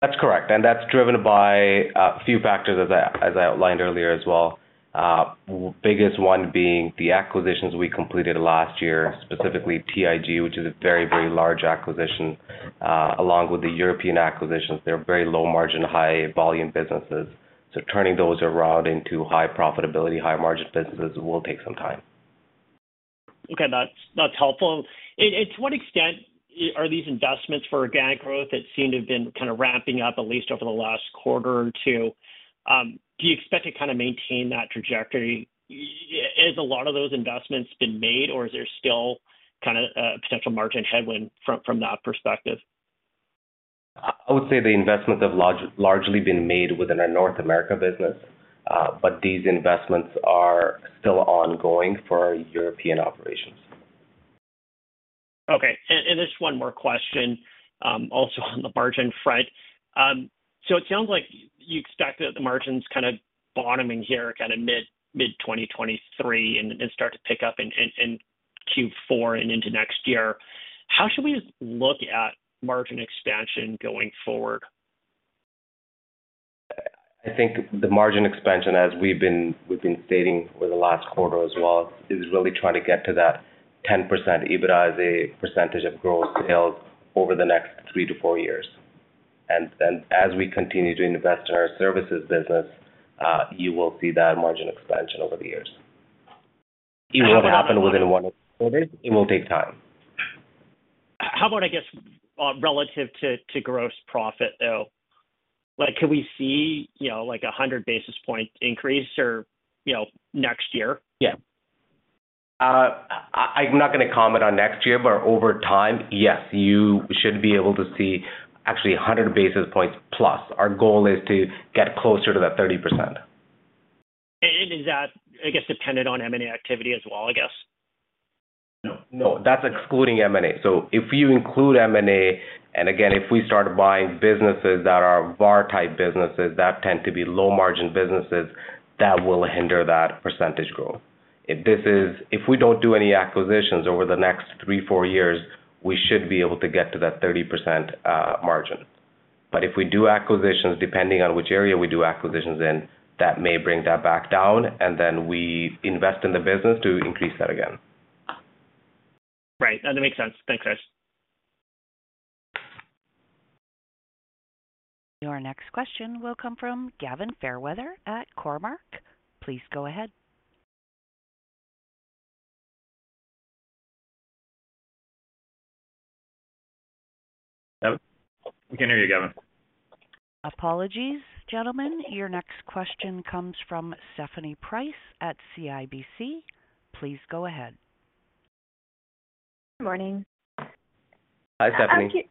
Speaker 4: That's correct. That's driven by a few factors, as I outlined earlier as well. Biggest one being the acquisitions we completed last year, specifically TIG, which is a very, very large acquisition, along with the European acquisitions. They're very low margin, high volume businesses, so turning those around into high profitability, high margin businesses will take some time.
Speaker 9: Okay, that's, that's helpful. To what extent are these investments for organic growth that seem to have been kind of ramping up at least over the last quarter or 2? Do you expect to kind of maintain that trajectory? Has a lot of those investments been made, or is there still kind of a potential margin headwind from that perspective?
Speaker 4: I would say the investments have largely been made within our North America business, but these investments are still ongoing for our European operations.
Speaker 9: Okay, and, and just one more question, also on the margin front. So it sounds like you expect that the margins kind of bottoming here, mid-2023 and start to pick up in Q4 and into next year. How should we look at margin expansion going forward?
Speaker 4: I think the margin expansion as we've been, we've been stating over the last quarter as well, is really trying to get to that 10% EBITDA as a percentage of growth sales over the next 3-4 years. As we continue to invest in our services business, you will see that margin expansion over the years. It won't happen within one quarter, it will take time.
Speaker 9: How about, I guess, relative to, to gross profit, though? Like, could we see, you know, like 100 basis point increase or, you know, next year?
Speaker 4: Yeah. I'm not going to comment on next year, but over time, yes, you should be able to see actually 100 basis points plus. Our goal is to get closer to that 30%.
Speaker 9: Is that, I guess, dependent on M&A activity as well, I guess?
Speaker 4: No, no, that's excluding M&A. If you include M&A, and again, if we start buying businesses that are VAR-type businesses, that tend to be low-margin businesses, that will hinder that percentage growth. If we don't do any acquisitions over the next three, four years, we should be able to get to that 30% margin. If we do acquisitions, depending on which area we do acquisitions in, that may bring that back down, and then we invest in the business to increase that again.
Speaker 9: Right. That makes sense. Thanks, guys.
Speaker 1: Your next question will come from Gavin Fairweather at CoreMark. Please go ahead.
Speaker 4: We can't hear you, Gavin.
Speaker 1: Apologies, gentlemen. Your next question comes from Stephanie Price at CIBC. Please go ahead.
Speaker 10: Good morning.
Speaker 4: Hi, Stephanie.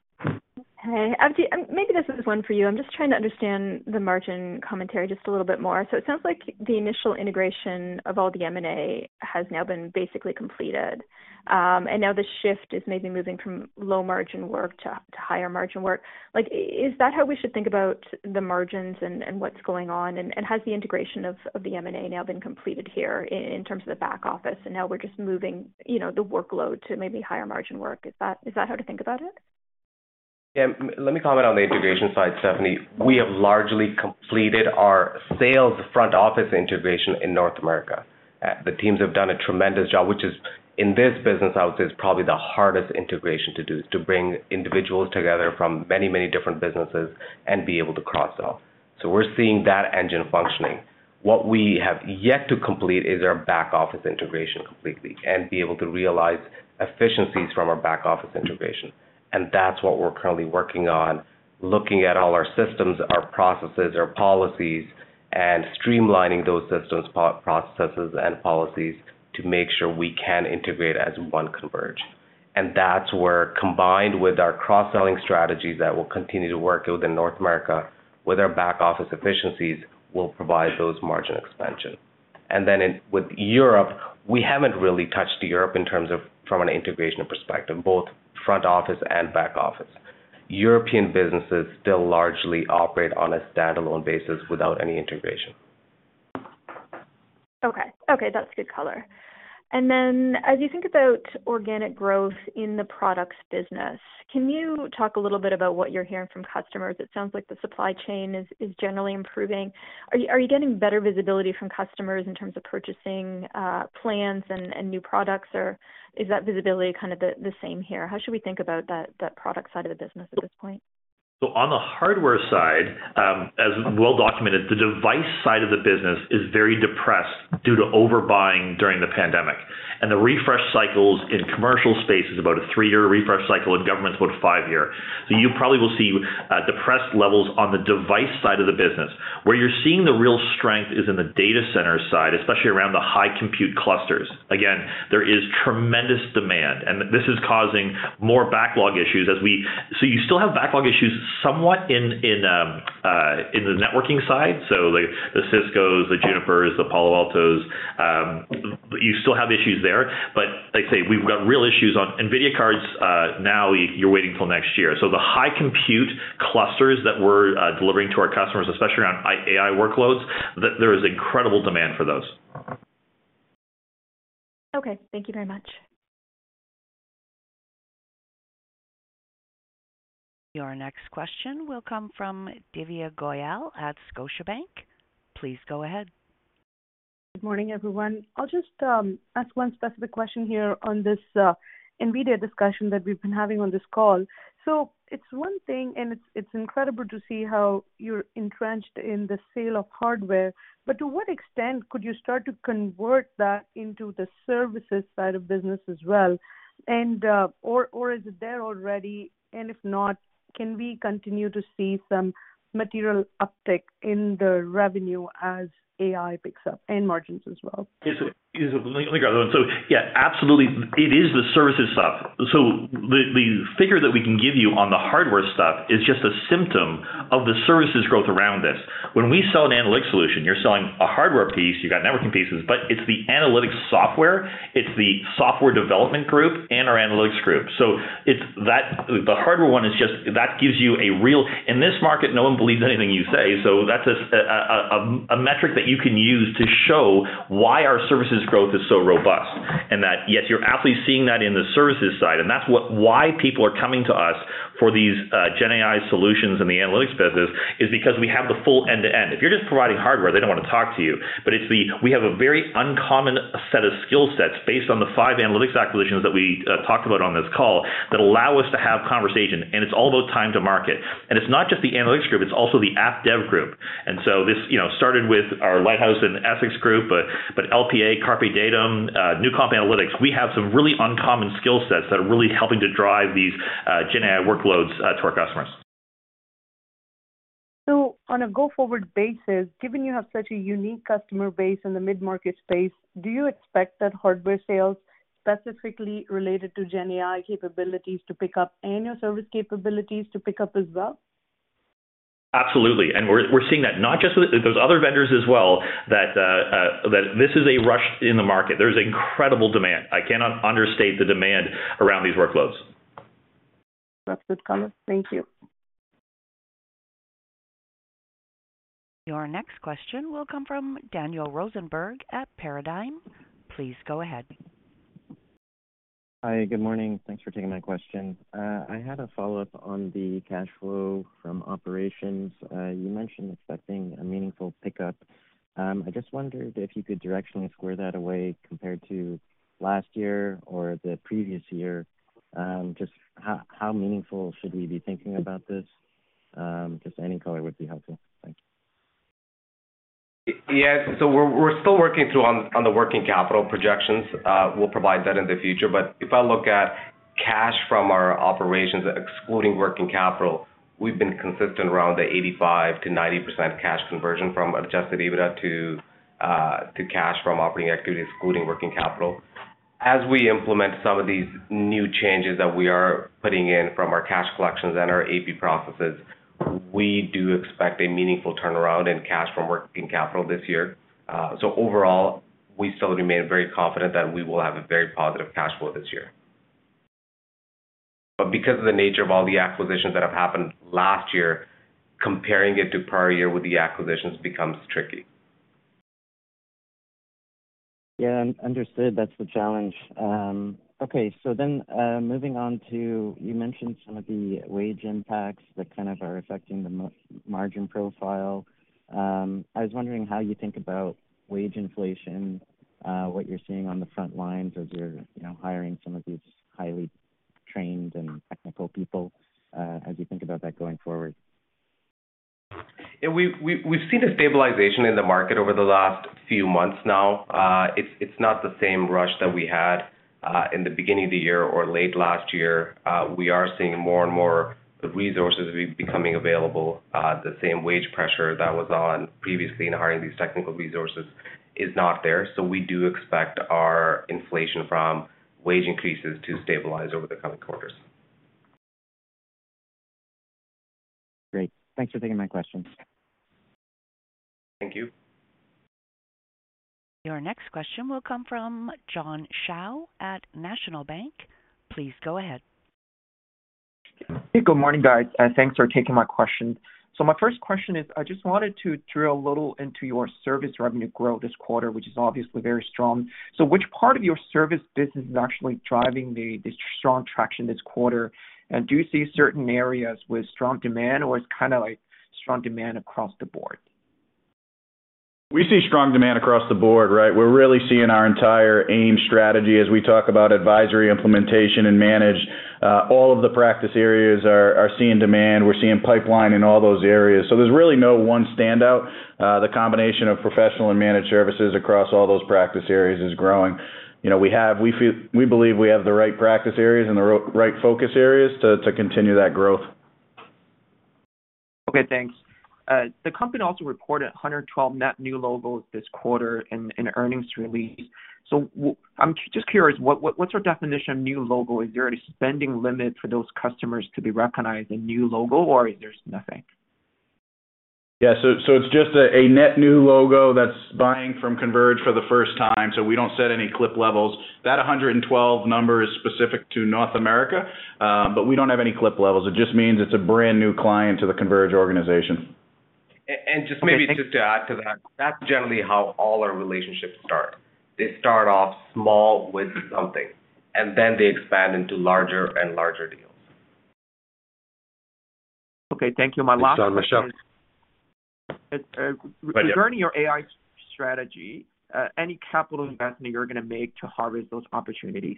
Speaker 10: Hi. Avjit, maybe this is one for you. I'm just trying to understand the margin commentary just a little bit more. It sounds like the initial integration of all the M&A has now been basically completed, and now the shift is maybe moving from low-margin work to, to higher-margin work. Like, is that how we should think about the margins and, and what's going on? Has the integration of, of the M&A now been completed here in terms of the back office, and now we're just moving, you know, the workload to maybe higher-margin work? Is that, is that how to think about it?
Speaker 4: Yeah. Let me comment on the integration side, Stephanie. We have largely completed our sales front office integration in North America. The teams have done a tremendous job, which is, in this business, I would say, is probably the hardest integration to do, to bring individuals together from many, many different businesses and be able to cross-sell. We're seeing that engine functioning. What we have yet to complete is our back-office integration completely and be able to realize efficiencies from our back-office integration. That's what we're currently working on, looking at all our systems, our processes, our policies, and streamlining those systems, processes, and policies to make sure we can integrate as one Converge. That's where, combined with our cross-selling strategies that will continue to work within North America, with our back-office efficiencies, will provide those margin expansion. And then in... With Europe, we haven't really touched Europe in terms of from an integration perspective, both front office and back office. European businesses still largely operate on a standalone basis without any integration.
Speaker 10: Okay, okay, that's good color. Then as you think about organic growth in the products business, can you talk a little bit about what you're hearing from customers? It sounds like the supply chain is, is generally improving. Are you, are you getting better visibility from customers in terms of purchasing plans and new products, or is that visibility kind of the same here? How should we think about that, that product side of the business at this point?
Speaker 4: On the hardware side, as well documented, the device side of the business is very depressed due to overbuying during the pandemic, and the refresh cycles in commercial space is about a three-year refresh cycle, and government's about a five-year. You probably will see depressed levels on the device side of the business. Where you're seeing the real strength is in the data center side, especially around the high compute clusters. Again, there is tremendous demand, and this is causing more backlog issues as we. You still have backlog issues somewhat in the networking side. Like the Ciscos, the Junipers, the Palo Altos, you still have issues there. Like I say, we've got real issues on NVIDIA cards, now you're waiting till next year. The high compute clusters that we're delivering to our customers, especially around AI workloads, there is incredible demand for those.
Speaker 10: Okay, thank you very much.
Speaker 1: Your next question will come from Divya Goyal at Scotiabank. Please go ahead.
Speaker 11: Good morning, everyone. I'll just ask 1 specific question here on this NVIDIA discussion that we've been having on this call. It's 1 thing, and it's, it's incredible to see how you're entrenched in the sale of hardware, but to what extent could you start to convert that into the services side of business as well? Or, or is it there already? If not, can we continue to see some material uptick in the revenue as AI picks up and margins as well?
Speaker 3: Is, let me grab that. Yeah, absolutely. It is the services stuff. The figure that we can give you on the hardware stuff is just a symptom of the services growth around this. When we sell an analytics solution, you're selling a hardware piece, you got networking pieces, but it's the analytics software, it's the software development group and our analytics group. it's that, the hardware one is just, that gives you a real... In this market, no one believes anything you say, so that's a metric that you can use to show why our services growth is so robust, and that, yes, you're absolutely seeing that in the services side, and that's why people are coming to us for these GenAI solutions in the analytics business, is because we have the full end-to-end. If you're just providing hardware, they don't want to talk to you, but it's, we have a very uncommon set of skill sets based on the five analytics acquisitions that we talked about on this call, that allow us to have conversation, and it's all about time to market. It's not just the analytics group, it's also the app dev group. This, you know, started with our Lighthouse and Essex group, but LPA, CarpeDatum, NewCompp Analytics. We have some really uncommon skill sets that are really helping to drive these GenAI workloads to our customers.
Speaker 11: On a go-forward basis, given you have such a unique customer base in the mid-market space, do you expect that hardware sales specifically related to GenAI capabilities to pick up and your service capabilities to pick up as well?
Speaker 3: Absolutely, we're, we're seeing that. Not just with-- there's other vendors as well, that, that this is a rush in the market. There's incredible demand. I cannot understate the demand around these workloads.
Speaker 11: That's good comment. Thank you.
Speaker 1: Your next question will come from Daniel Rosenberg at Paradigm. Please go ahead.
Speaker 12: Hi, good morning. Thanks for taking my question. I had a follow-up on the cash flow from operations. You mentioned expecting a meaningful pickup. I just wondered if you could directionally square that away compared to last year or the previous year. Just how meaningful should we be thinking about this? Just any color would be helpful. Thank you.
Speaker 4: We're, we're still working through on, on the working capital projections. We'll provide that in the future. If I look at cash from our operations, excluding working capital, we've been consistent around the 85%-90% cash conversion from Adjusted EBITDA to cash from operating activity, excluding working capital. As we implement some of these new changes that we are putting in from our cash collections and our AP processes, we do expect a meaningful turnaround in cash from working capital this year. Overall, we still remain very confident that we will have a very positive cash flow this year. Because of the nature of all the acquisitions that have happened last year, comparing it to prior year with the acquisitions becomes tricky.
Speaker 12: Yeah, understood. That's the challenge. Okay, moving on to... You mentioned some of the wage impacts that kind of are affecting the margin profile. I was wondering how you think about wage inflation, what you're seeing on the front lines as you're, you know, hiring some of these highly trained and technical people, how do you think about that going forward?
Speaker 4: Yeah, we've seen a stabilization in the market over the last few months now. It's not the same rush that we had in the beginning of the year or late last year. We are seeing more and more resources becoming available. The same wage pressure that was on previously in hiring these technical resources is not there, so we do expect our inflation from wage increases to stabilize over the coming quarters.
Speaker 12: Great. Thanks for taking my questions.
Speaker 4: Thank you.
Speaker 1: Your next question will come from John Shao at National Bank. Please go ahead.
Speaker 13: Hey, good morning, guys. thanks for taking my question. My first question is, I just wanted to drill a little into your service revenue growth this quarter, which is obviously very strong. Which part of your service business is actually driving the, the strong traction this quarter? Do you see certain areas with strong demand, or it's kind of like strong demand across the board?
Speaker 3: We see strong demand across the board, right? We're really seeing our entire AIM strategy as we talk about advisory, implementation and manage. All of the practice areas are, are seeing demand. We're seeing pipeline in all those areas. There's really no one standout. The combination of professional and managed services across all those practice areas is growing. You know, we feel, we believe we have the right practice areas and the right focus areas to, to continue that growth.
Speaker 13: Okay, thanks. The company also reported 112 net new logos this quarter in earnings release. I'm just curious, what's your definition of new logo? Is there a spending limit for those customers to be recognized as a new logo or there's nothing?
Speaker 3: Yeah, it's just a net new logo that's buying from Converge for the first time, so we don't set any clip levels. That 112 number is specific to North America, but we don't have any clip levels. It just means it's a brand-new client to the Converge organization.
Speaker 4: Just maybe just to add to that, that's generally how all our relationships start. They start off small with something, and then they expand into larger and larger deals.
Speaker 13: Okay, thank you. My last question-
Speaker 3: Thanks, John. Michelle?
Speaker 13: Regarding your AI strategy, any capital investment you're gonna make to harvest those opportunities?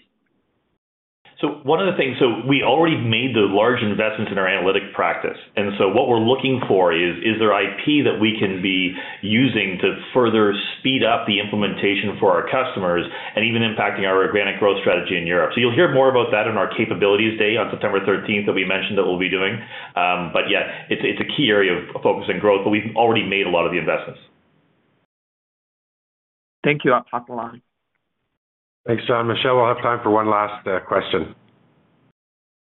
Speaker 3: One of the things, we already made the large investments in our analytic practice. What we're looking for is, is there IP that we can be using to further speed up the implementation for our customers and even impacting our organic growth strategy in Europe? You'll hear more about that in our Capabilities Day on September 13th, that we mentioned that we'll be doing. Yeah, it's, it's a key area of focus and growth, but we've already made a lot of the investments.
Speaker 13: Thank you. I'll hop along.
Speaker 2: Thanks, John. Michelle, we'll have time for one last question.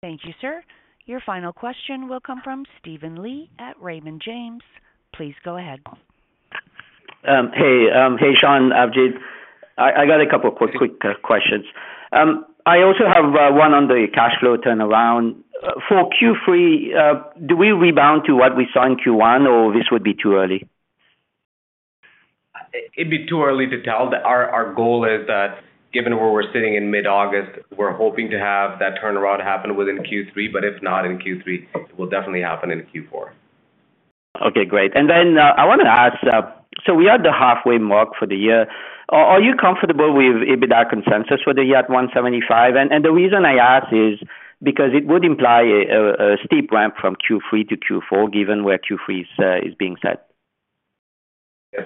Speaker 1: Thank you, sir. Your final question will come from Steven Li at Raymond James. Please go ahead.
Speaker 14: Hey. Hey, Shaun, Avjit. I got a couple of quick, quick questions. I also have one on the cash flow turnaround. For Q3, do we rebound to what we saw in Q1, or this would be too early?
Speaker 4: It'd be too early to tell. Our goal is that, given where we're sitting in mid-August, we're hoping to have that turnaround happen within Q3, but if not in Q3, it will definitely happen in Q4.
Speaker 14: Okay, great. I wanted to ask, we are at the halfway mark for the year. Are you comfortable with EBITDA consensus for the year at $175 million? The reason I ask is because it would imply a steep ramp from Q3 to Q4, given where Q3 is being set.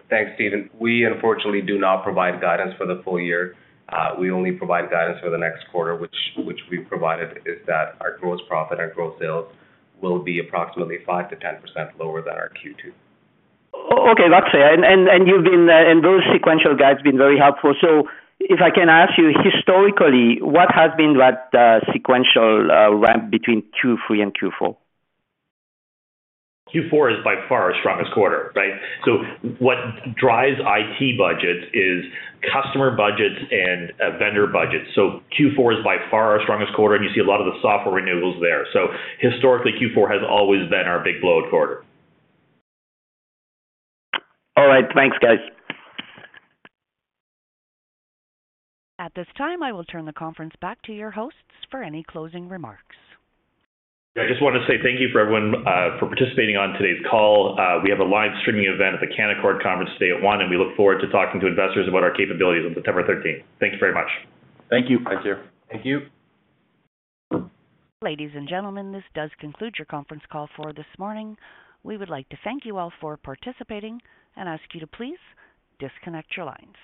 Speaker 4: Thanks, Steven. We unfortunately do not provide guidance for the full year. We only provide guidance for the next quarter, which we've provided, is that our gross profit, our gross sales, will be approximately 5%-10% lower than our Q2.
Speaker 14: Okay, got you. Those sequential guides been very helpful. If I can ask you, historically, what has been that sequential ramp between Q3 and Q4?
Speaker 3: Q4 is by far our strongest quarter, right? What drives IT budgets is customer budgets and vendor budgets. Q4 is by far our strongest quarter, and you see a lot of the software renewals there. Historically, Q4 has always been our big load quarter.
Speaker 14: All right. Thanks, guys.
Speaker 1: At this time, I will turn the conference back to your hosts for any closing remarks.
Speaker 3: I just want to say thank you for everyone, for participating on today's call. We have a live streaming event at the Canaccord Conference today at 1:00 P.M., and we look forward to talking to investors about our capabilities on September 13th. Thank you very much.
Speaker 2: Thank you.
Speaker 4: Thanks, sir. Thank you.
Speaker 1: Ladies and gentlemen, this does conclude your conference call for this morning. We would like to thank you all for participating and ask you to please disconnect your lines.